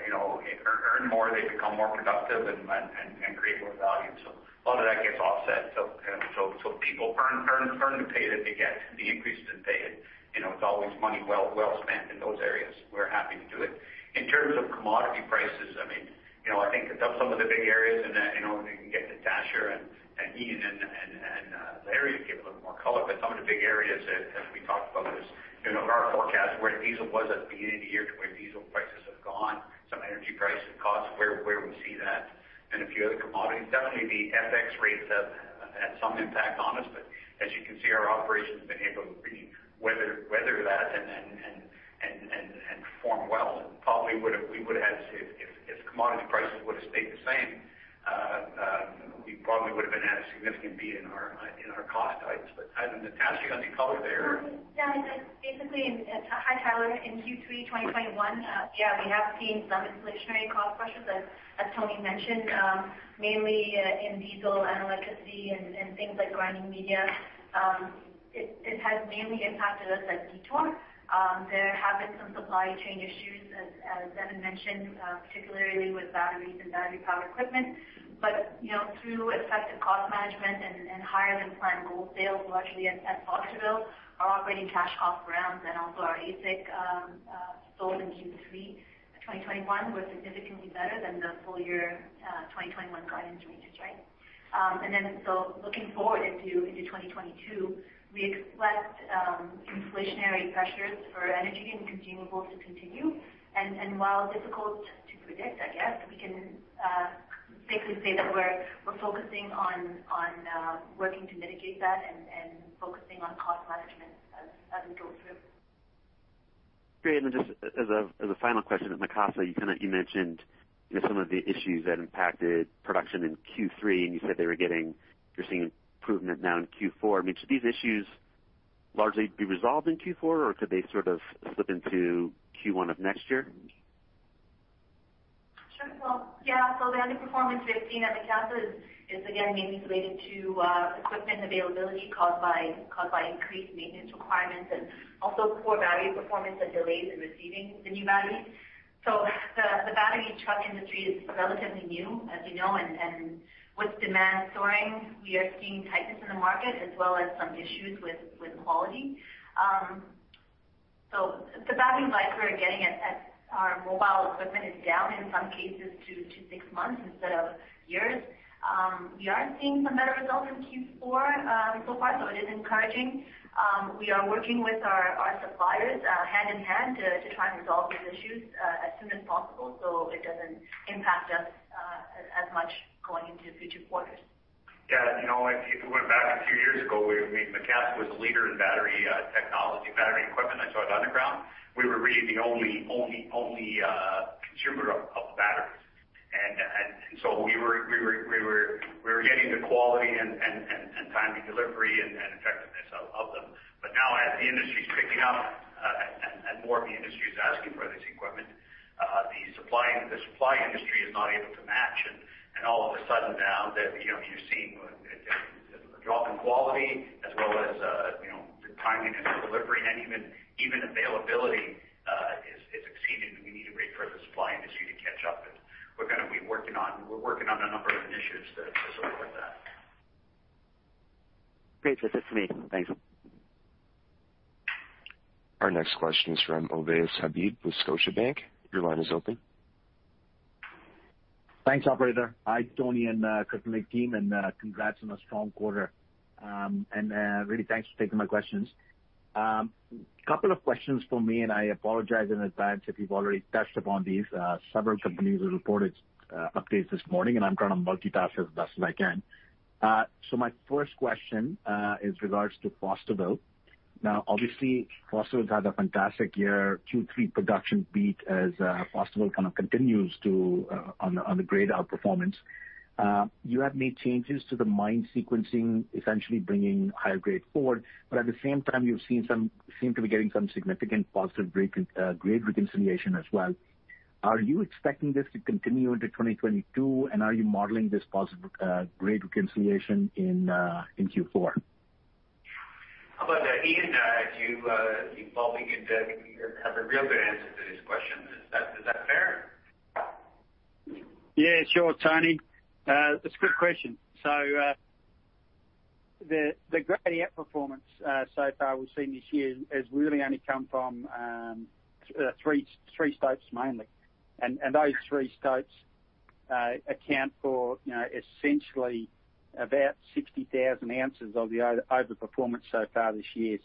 you know earn more, they become more productive and create more value. A lot of that gets offset. People earn the pay that they get, the increases they get. You know, it's always money well spent in those areas. We're happy to do it. In terms of commodity prices, I mean, you know, I think that's some of the big areas. You know, we can get Natasha and Ian and Larry to give a little more color. Some of the big areas that we talked about is, you know, our forecast where diesel was at the beginning of the year to where diesel prices have gone, some energy pricing costs, where we see that and a few other commodities. Definitely the FX rates have had some impact on us, but as you can see, our operations have been able to weather that and perform well and probably would have. We would've had, if commodity prices would have stayed the same, we probably would have been at a significant beat in our cost items. Natasha, you want to call it there? Basically, hi, Tyler. In Q3 2021, we have seen some inflationary cost pressures as Tony mentioned, mainly in diesel and electricity and things like grinding media. It has mainly impacted us at Detour. There have been some supply chain issues as Evan mentioned, particularly with batteries and battery-powered equipment. You know, through effective cost management and higher than planned gold sales, largely at Fosterville, our operating cash costs guidance and also our AISC sold in Q3 of 2021 were significantly better than the full year 2021 guidance ranges, right? Looking forward into 2022, we expect inflationary pressures for energy and consumables to continue. While difficult to predict, I guess we can safely say that we're focusing on working to mitigate that and focusing on cost management as we go through. Great. Just as a final question, at Macassa, you kind of, you mentioned, you know, some of the issues that impacted production in Q3, and you said you're seeing improvement now in Q4. I mean, should these issues largely be resolved in Q4, or could they sort of slip into Q1 of next year? Sure. Well, yeah, the underperformance we have seen at Macassa is again mainly related to equipment availability caused by increased maintenance requirements and also poor battery performance and delays in receiving the new batteries. The battery truck industry is relatively new, as you know, and with demand soaring, we are seeing tightness in the market as well as some issues with quality. The battery life we're getting at our mobile equipment is down in some cases to six months instead of years. We are seeing some better results in Q4 so far, so it is encouraging. We are working with our suppliers hand in hand to try and resolve these issues as soon as possible so it doesn't impact us as much going into future quarters. Yeah. You know, if you went back a few years ago, I mean, Macassa was a leader in battery technology, battery equipment and so at underground. We were really the only consumer of batteries. So we were getting the quality and timely delivery and effectiveness of them. But now as the industry's picking up, and more of the industry is asking for this equipment, the supply industry is not able to match. All of a sudden now that, you know, you're seeing a drop in quality as well as, you know, the timing and the delivery and even availability is exceeding what we need it for the supply industry to catch up. We're working on a number of initiatives to sort through that. Great. That's it for me. Thanks. Our next question is from Ovais Habib with Scotiabank. Your line is open. Thanks, operator. Hi, Tony and Kirkland Lake team, and congrats on a strong quarter. Really thanks for taking my questions. Couple of questions from me, and I apologize in advance if you've already touched upon these. Several companies have reported updates this morning, and I'm trying to multitask as best as I can. My first question is regarding Fosterville. Now obviously, Fosterville has had a fantastic year. Q3 production beat as Fosterville kind of continues to on the grade outperformance. You have made changes to the mine sequencing, essentially bringing higher grade forward. At the same time, you seem to be getting some significant positive grade reconciliation as well. Are you expecting this to continue into 2022? Are you modeling this positive grade reconciliation in Q4? How about that, Ian, do you probably can have a real good answer to these questions. Is that fair? Yeah, sure, Tony. That's a good question. The grade performance so far we've seen this year has really only come from three stopes mainly. Those three stopes account for, you know, essentially about 60,000 ounces of the overperformance so far this year.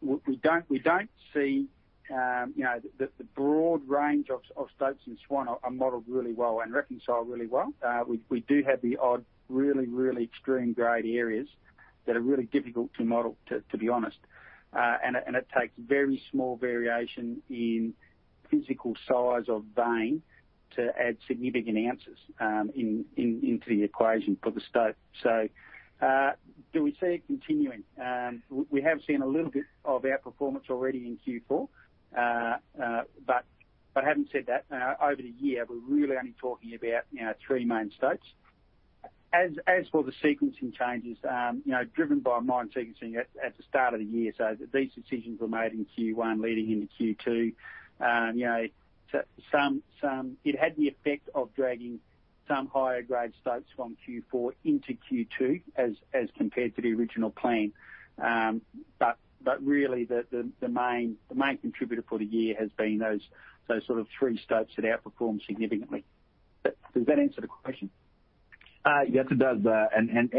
We don't see the broad range of stopes in Swan Zone are modeled really well and reconciled really well. We do have the odd really extreme grade areas that are really difficult to model, to be honest. It takes very small variation in physical size of vein to add significant ounces into the equation for the stope. Do we see it continuing? We have seen a little bit of outperformance already in Q4. Having said that, over the year, we're really only talking about, you know, three main stopes. As for the sequencing changes, driven by mine sequencing at the start of the year, these decisions were made in Q1 leading into Q2. It had the effect of dragging some higher grade stopes from Q4 into Q2 as compared to the original plan. Really the main contributor for the year has been those sort of three stopes that outperformed significantly. Does that answer the question? Yes, it does.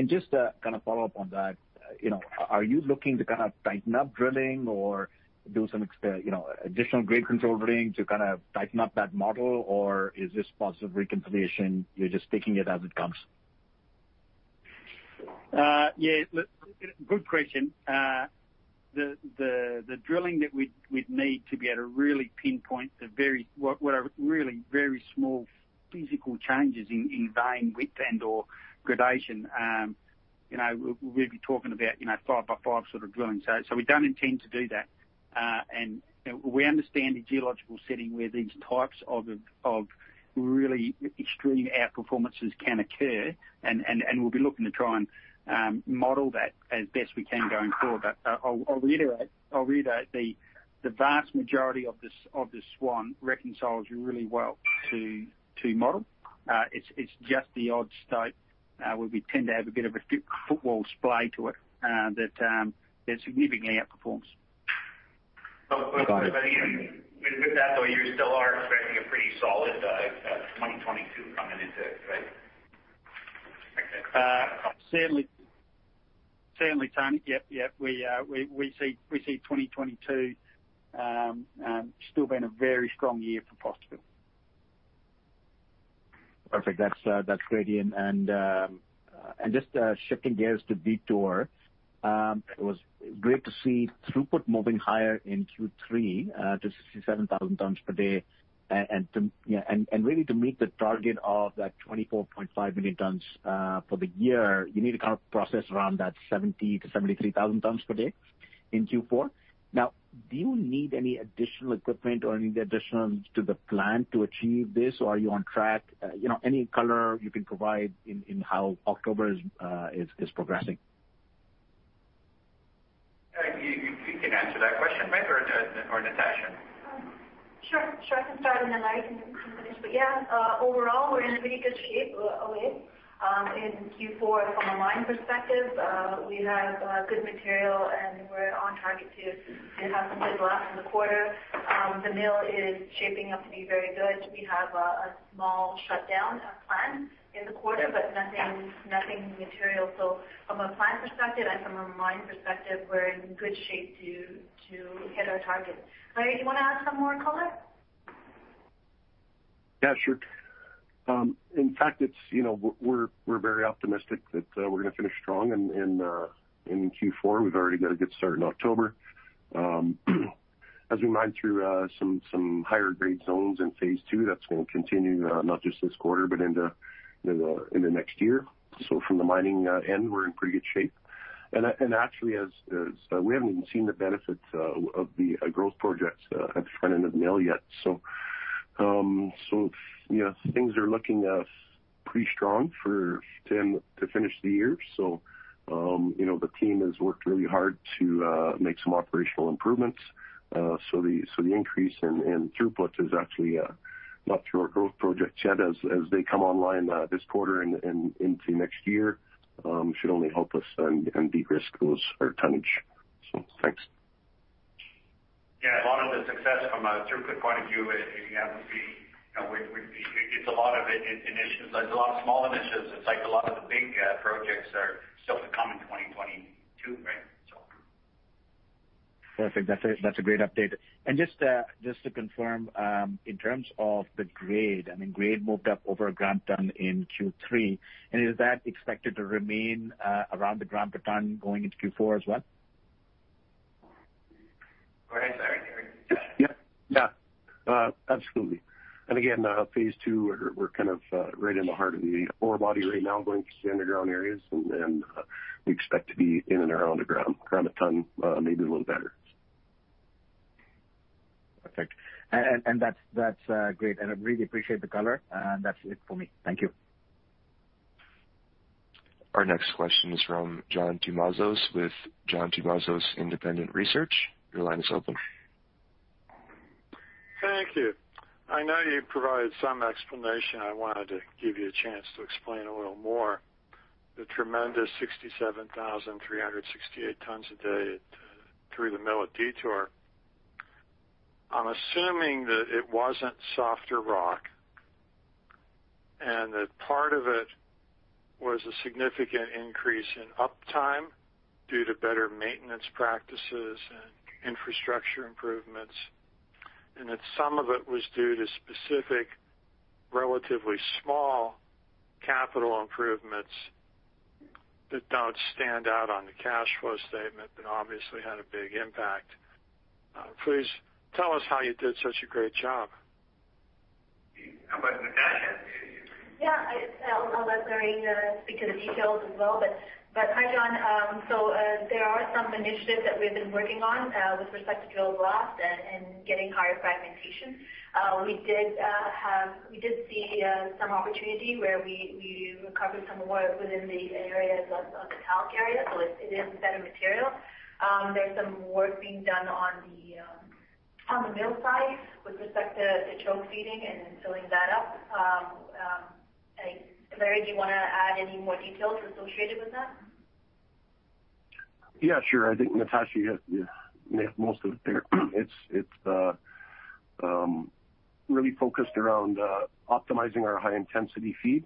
Just to kind of follow up on that, you know, are you looking to kind of tighten up drilling or do some additional grade control drilling to kind of tighten up that model? Or is this part of reconciliation, you're just taking it as it comes? Good question. The drilling that we'd need to be able to really pinpoint the very small physical changes in vein width and/or grade, you know, we'd be talking about, you know, 5 by 5 sort of drilling. So we don't intend to do that. And you know, we understand the geological setting where these types of really extreme outperformance can occur and we'll be looking to try and model that as best we can going forward. But I'll reiterate, the vast majority of this one reconciles really well to model. It's just the odd stope where we tend to have a bit of a fault splay to it that significantly outperforms. Got it. Even with that, though, you still are expecting a pretty solid 2022 coming into it, right? Certainly, Tony. Yep. We see 2022 still being a very strong year for Profit. Perfect. That's great. Just shifting gears to Detour. It was great to see throughput moving higher in Q3 to 67,000 tons per day. Really to meet the target of that 24.5 million tons for the year, you need to kind of process around that 70,000 tons-73,000 tons per day in Q4. Now, do you need any additional equipment or any addition to the plan to achieve this, or are you on track? You know, any color you can provide in how October is progressing. You can answer that question, Lary or Natasha. Sure. I can start, and then Larry can finish. Yeah, overall, we're in really good shape, Ovais. In Q4 from a mine perspective, we have good material, and we're on target to have some good blast in the quarter. The mill is shaping up to be very good. We have a small shutdown planned in the quarter, but nothing material. From a plant perspective and from a mine perspective, we're in good shape to hit our targets. Larry, you wanna add some more color? Yeah, sure. In fact, it's, you know, we're very optimistic that we're gonna finish strong in Q4. We've already got a good start in October. As we mine through some higher grade zones in phase two, that's gonna continue not just this quarter but into, you know, in the next year. From the mining end, we're in pretty good shape. Actually, we haven't even seen the benefits of the growth projects at the front end of the mill yet. Yes, things are looking pretty strong for the team to finish the year. You know, the team has worked really hard to make some operational improvements. The increase in throughput is actually not through our growth projects yet. As they come online this quarter and into next year, should only help us and de-risk those, our tonnage. Thanks. Yeah. A lot of the success from a throughput point of view is, you know. It's a lot of initiatives. There's a lot of small initiatives. It's like a lot of the big projects are still to come in 2022, right? So. Perfect. That's a great update. Just to confirm, in terms of the grade, I mean, grade moved up over a gram per ton in Q3, and is that expected to remain around the gram per ton going into Q4 as well? Go ahead, sorry. Go ahead. Yeah, yeah. Absolutely. Again, phase two, we're kind of right in the heart of the ore body right now going through the underground areas. We expect to be in and around the 100-ton, maybe a little better. Perfect. That's great. I really appreciate the color. That's it for me. Thank you. Our next question is from John Tumazos with John Tumazos Independent Research. Your line is open. Thank you. I know you provided some explanation. I wanted to give you a chance to explain a little more the tremendous 67,368 tons a day through the mill at Detour. I'm assuming that it wasn't softer rock, and that part of it was a significant increase in uptime due to better maintenance practices and infrastructure improvements. That some of it was due to specific, relatively small capital improvements that don't stand out on the cash flow statement, but obviously had a big impact. Please tell us how you did such a great job. How about Natasha? Yeah, I'll let Larry speak to the details as well. Hi, John. There are some initiatives that we've been working on with respect to drill blast and getting higher fragmentation. We did see some opportunity where we recovered some ore within the areas of the talc area, so it is better material. There's some work being done on the mill side with respect to the choke feeding and filling that up. I think, Larry, do you wanna add any more details associated with that? Yeah, sure. I think Natasha hit most of it there. It's really focused around optimizing our high intensity feed,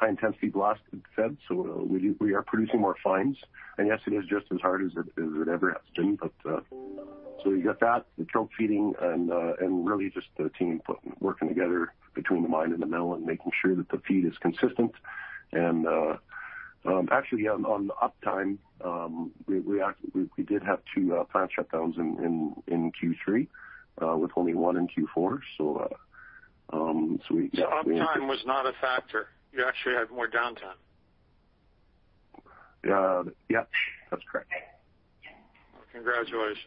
high intensity blast fed. We are producing more fines. Yes, it is just as hard as it ever has been. You got that, the choke feeding and really just the team working together between the mine and the mill and making sure that the feed is consistent. Actually, on the uptime, we did have two plant shutdowns in Q3 with only one in Q4. We Uptime was not a factor. You actually had more downtime. Yeah. Yep, that's correct. Well, congratulations.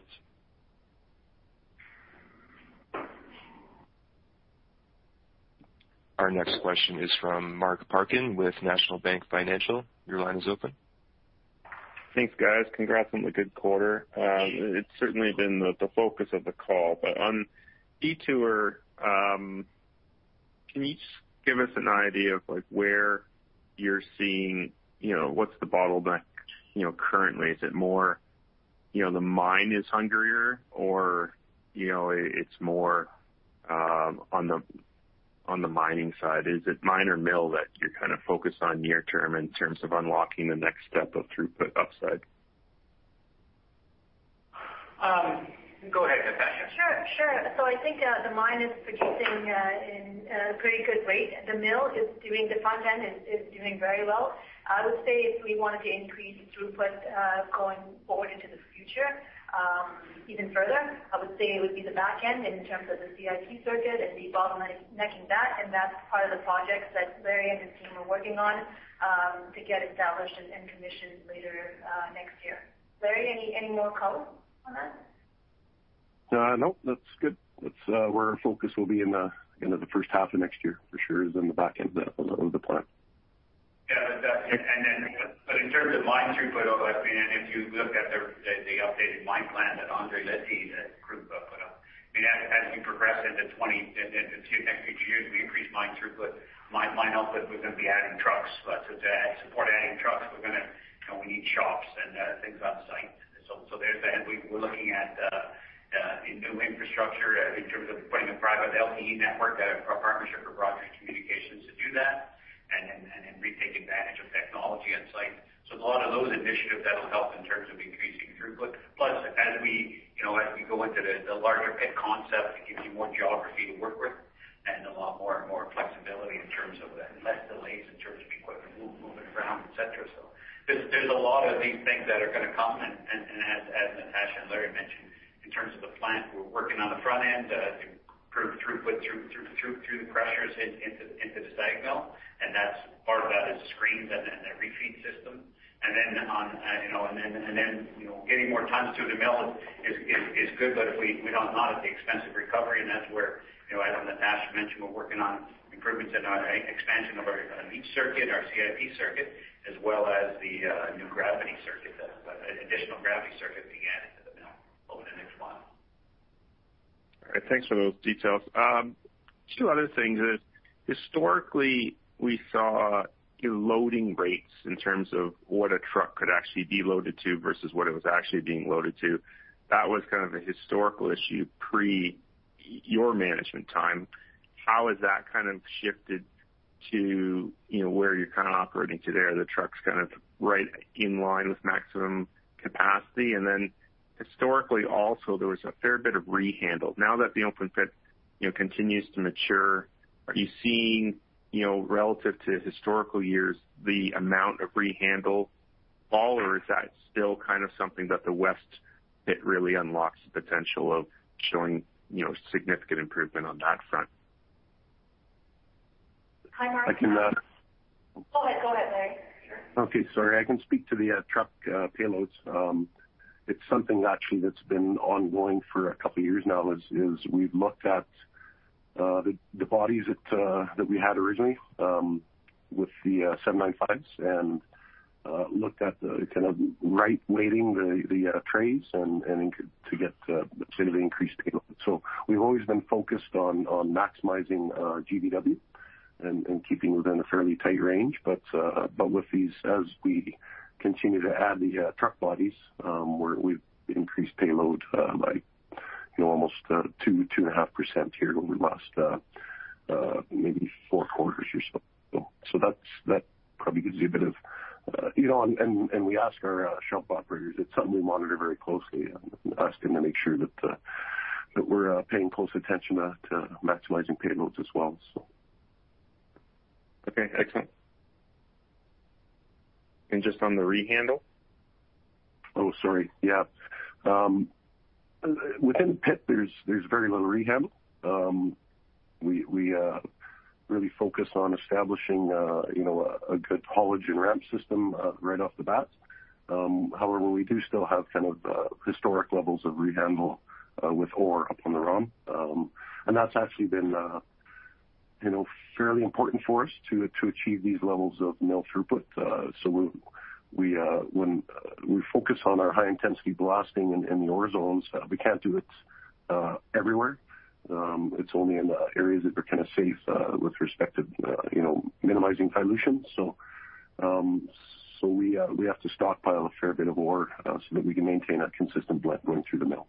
Our next question is from Mike Parkin with National Bank Financial. Your line is open. Thanks, guys. Congrats on the good quarter. It's certainly been the focus of the call. On Detour, can you just give us an idea of, like, where you're seeing, you know, what's the bottleneck, you know, currently? Is it more, you know, the mine is hungrier or, you know, it's more on the mining side? Is it mine or mill that you're kind of focused on near term in terms of unlocking the next step of throughput upside? Go ahead, Natasha. Sure, sure. I think the mine is producing at a pretty good rate. The mill is doing. The front end is doing very well. I would say if we wanted to increase throughput going forward into the future even further, I would say it would be the back end in terms of the CIP circuit and debottlenecking that, and that's part of the projects that Larry and his team are working on to get established and commissioned later next year. Larry, any more color on that? No, that's good. That's where our focus will be in the, you know, the first half of next year for sure is in the back end of the plant. Yeah, that's it. In terms of mine throughput, I mean, if you look at the updated mine plan that Andre Leite and crew put up, I mean, as we progress into 2020, in the next few years, we increase mine throughput. Mine output, we're gonna be adding trucks. To add support adding trucks, we're gonna, you know, we need shops and things on site. There's that. We're looking at new infrastructure in terms of putting a private LTE network, a partnership with Rogers Communications to do that and we take advantage of technology on site. A lot of those initiatives that'll help in terms of increasing throughput. Plus, as we go into the larger pit concept, it gives you more geography to work with and a lot more flexibility in terms of less delays in terms of equipment moving around, et cetera. There's a lot of these things that are gonna come and as Natasha and Larry mentioned, in terms of the plant, we're working on the front end to improve throughput through the crushers into the SAG mill. Part of that is screens and a refeed system. Getting more tons to the mill is good, but we don't want it at the expense of recovery. That's where, you know, as Natasha mentioned, we're working on improvements and expansion of our leach circuit, our CIP circuit, as well as the new gravity circuit, additional gravity circuit we add into the mill over the next while. All right. Thanks for those details. Two other things is, historically, we saw loading rates in terms of what a truck could actually be loaded to versus what it was actually being loaded to. That was kind of a historical issue pre your management time. How has that kind of shifted to, you know, where you're kind of operating today? Are the trucks kind of right in line with maximum capacity? And then historically, also, there was a fair bit of rehandle. Now that the open pit, you know, continues to mature, are you seeing, you know, relative to historical years, the amount of rehandle fall, or is that still kind of something that the West Pit really unlocks the potential of showing, you know, significant improvement on that front? Hi, Mark. I can. Go ahead, Larry. Sure. Okay, sorry. I can speak to the truck payloads. It's something actually that's been ongoing for a couple of years now. We've looked at the bodies that we had originally with the 795s and looked at kind of right-weighting the trays and to get slightly increased payload. We've always been focused on maximizing GVW and keeping within a fairly tight range. With these, as we continue to add the truck bodies, we've increased payload by, you know, almost 2.5% here over the last maybe four quarters or so. That probably gives you a bit of, you know, and we ask our shop operators. It's something we monitor very closely and ask them to make sure that we're paying close attention to maximizing payloads as well. Okay, excellent. Just on the rehandle. Sorry. Yeah. Within pit, there's very little rehandle. We really focus on establishing, you know, a good haulage and ramp system right off the bat. However, we do still have kind of historic levels of rehandle with ore up on the run. That's actually been, you know, fairly important for us to achieve these levels of mill throughput. When we focus on our high intensity blasting in the ore zones, we can't do it everywhere. It's only in the areas that are kind of safe with respect to, you know, minimizing dilution. We have to stockpile a fair bit of ore so that we can maintain a consistent blend going through the mill.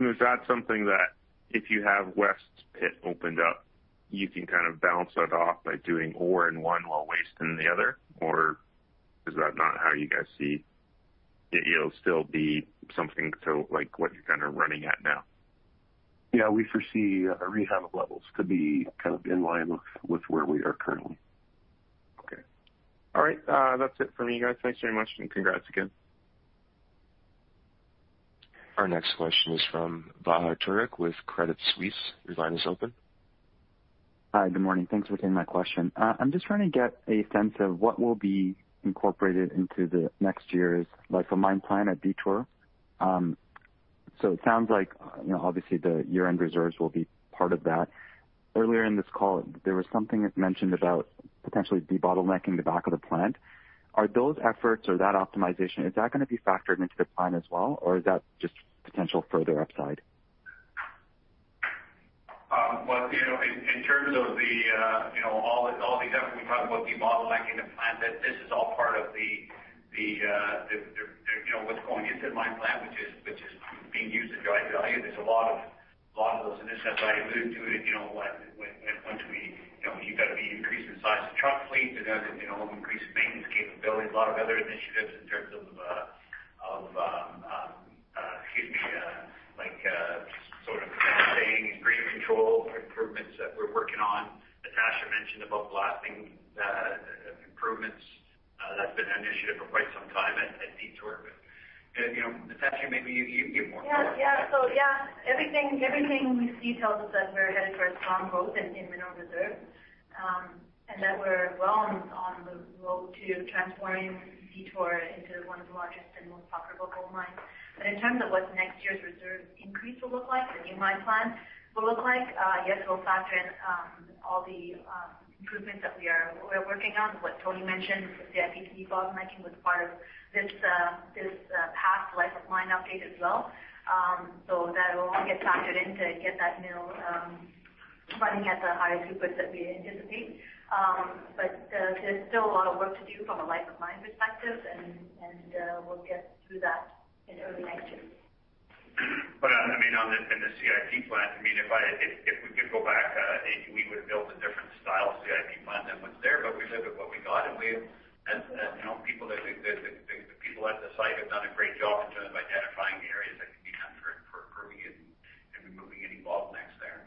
Is that something that if you have West Pit opened up, you can kind of balance it off by doing ore in one while wasting the other? Or is that not how you guys see it, you know, still be something to like what you're kind of running at now? Yeah, we foresee our rehandle levels to be kind of in line with where we are currently. Okay. All right. That's it for me, guys. Thanks very much, and congrats again. Our next question is from Fahad Tariq with Credit Suisse. Your line is open. Hi. Good morning. Thanks for taking my question. I'm just trying to get a sense of what will be incorporated into the next year's life of mine plan at Detour. It sounds like, you know, obviously the year-end reserves will be part of that. Earlier in this call, there was something mentioned about potentially debottlenecking the back of the plant. Are those efforts or that optimization, is that gonna be factored into the plan as well, or is that just potential further upside? Well, you know, in terms of you know all the effort we talk about debottlenecking the plant, that this is all part of the you know what's going into the mine plan, which is being used at Detour. I think there's a lot of those initiatives I alluded to. You know, like when once we you know you got to be increasing the size of truck fleet, you know, increasing maintenance capabilities, a lot of other initiatives in terms of of excuse me like sort of maintaining grade control improvements that we're working on. Natasha mentioned about blasting improvements. That's been an initiative for quite some time at Detour. But you know, Natasha, maybe you give more color. Everything we see tells us that we're headed for a strong growth in mineral reserves, and that we're well on the road to transforming Detour into one of the largest and most profitable gold mines. In terms of what next year's reserve increase will look like, the new mine plan will look like, yes, we'll factor in all the improvements that we're working on. What Tony mentioned, the IP debottlenecking was part of this past life of mine update as well. That will all get factored in to get that mill running at the higher throughput that we anticipate. There's still a lot of work to do from a life of mine perspective, and we'll get through that in early next year. I mean, in the CIP plant, I mean, if we could go back, we would build a different style CIP plant than what's there, but we live with what we got. You know, the people at the site have done a great job in terms of identifying the areas that can be improved for improving it and removing any bottlenecks there.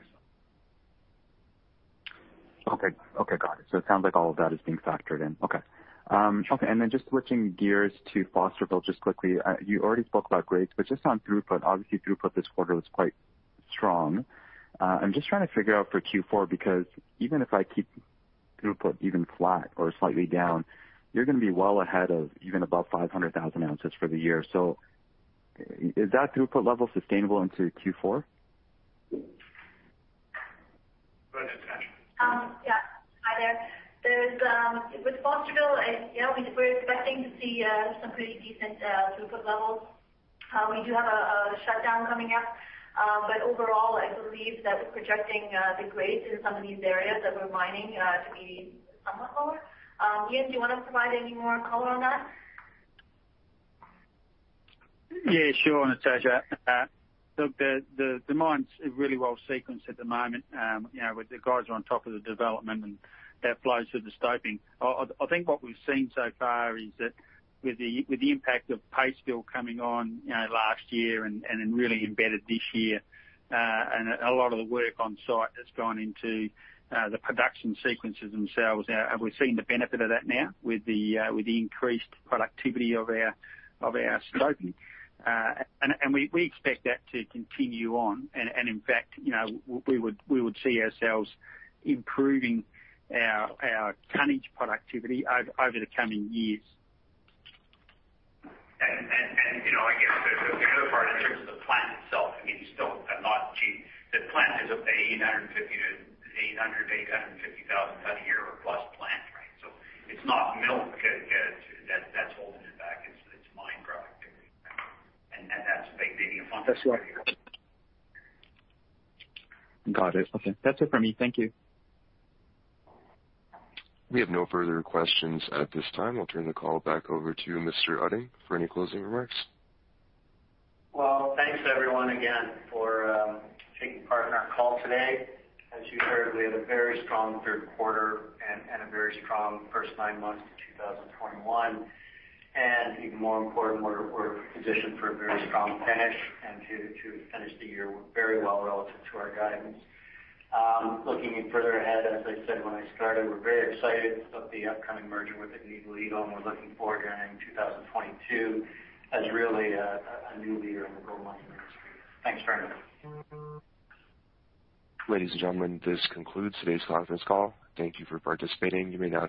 Okay, got it. It sounds like all of that is being factored in. Okay, okay, then just switching gears to Fosterville just quickly. You already spoke about grades, but just on throughput, obviously throughput this quarter was quite strong. I'm just trying to figure out for Q4, because even if I keep throughput even flat or slightly down, you're gonna be well ahead of even above 500,000 ounces for the year. Is that throughput level sustainable into Q4? Go ahead, Natasha. Yeah. Hi there. With Fosterville, yeah, we're expecting to see some pretty decent throughput levels. We do have a shutdown coming up. Overall, I believe that we're projecting the grades in some of these areas that we're mining to be somewhat lower. Ian, do you want to provide any more color on that? Yeah, sure, Natasha. Look, the mine's really well sequenced at the moment. You know, with the guys are on top of the development and that flows through the stoping. I think what we've seen so far is that with the impact of paste fill coming on last year and really embedded this year, and a lot of the work on site has gone into the production sequences themselves. We're seeing the benefit of that now with the increased productivity of our stoping. We expect that to continue on. In fact, you know, we would see ourselves improving our tonnage productivity over the coming years. You know, I guess the other part in terms of the plant itself, I mean, you still are not achieving. The plant is up to 800,000 tons-850,000 tons a year or plus plant, right? So it's not the mill that's holding it back. It's mine productivity. That's a big component. Got it. Okay. That's it for me. Thank you. We have no further questions at this time. I'll turn the call back over to Mark Utting for any closing remarks. Thanks, everyone, again, for taking part in our call today. As you heard, we had a very strong third quarter and a very strong first nine months of 2021. Even more important, we're positioned for a very strong finish and to finish the year very well relative to our guidance. Looking further ahead, as I said when I started, we're very excited about the upcoming merger with Agnico Eagle, and we're looking forward to entering 2022 as really a new leader in the gold mining industry. Thanks very much. Ladies and gentlemen, this concludes today's conference call. Thank you for participating. You may now disconnect.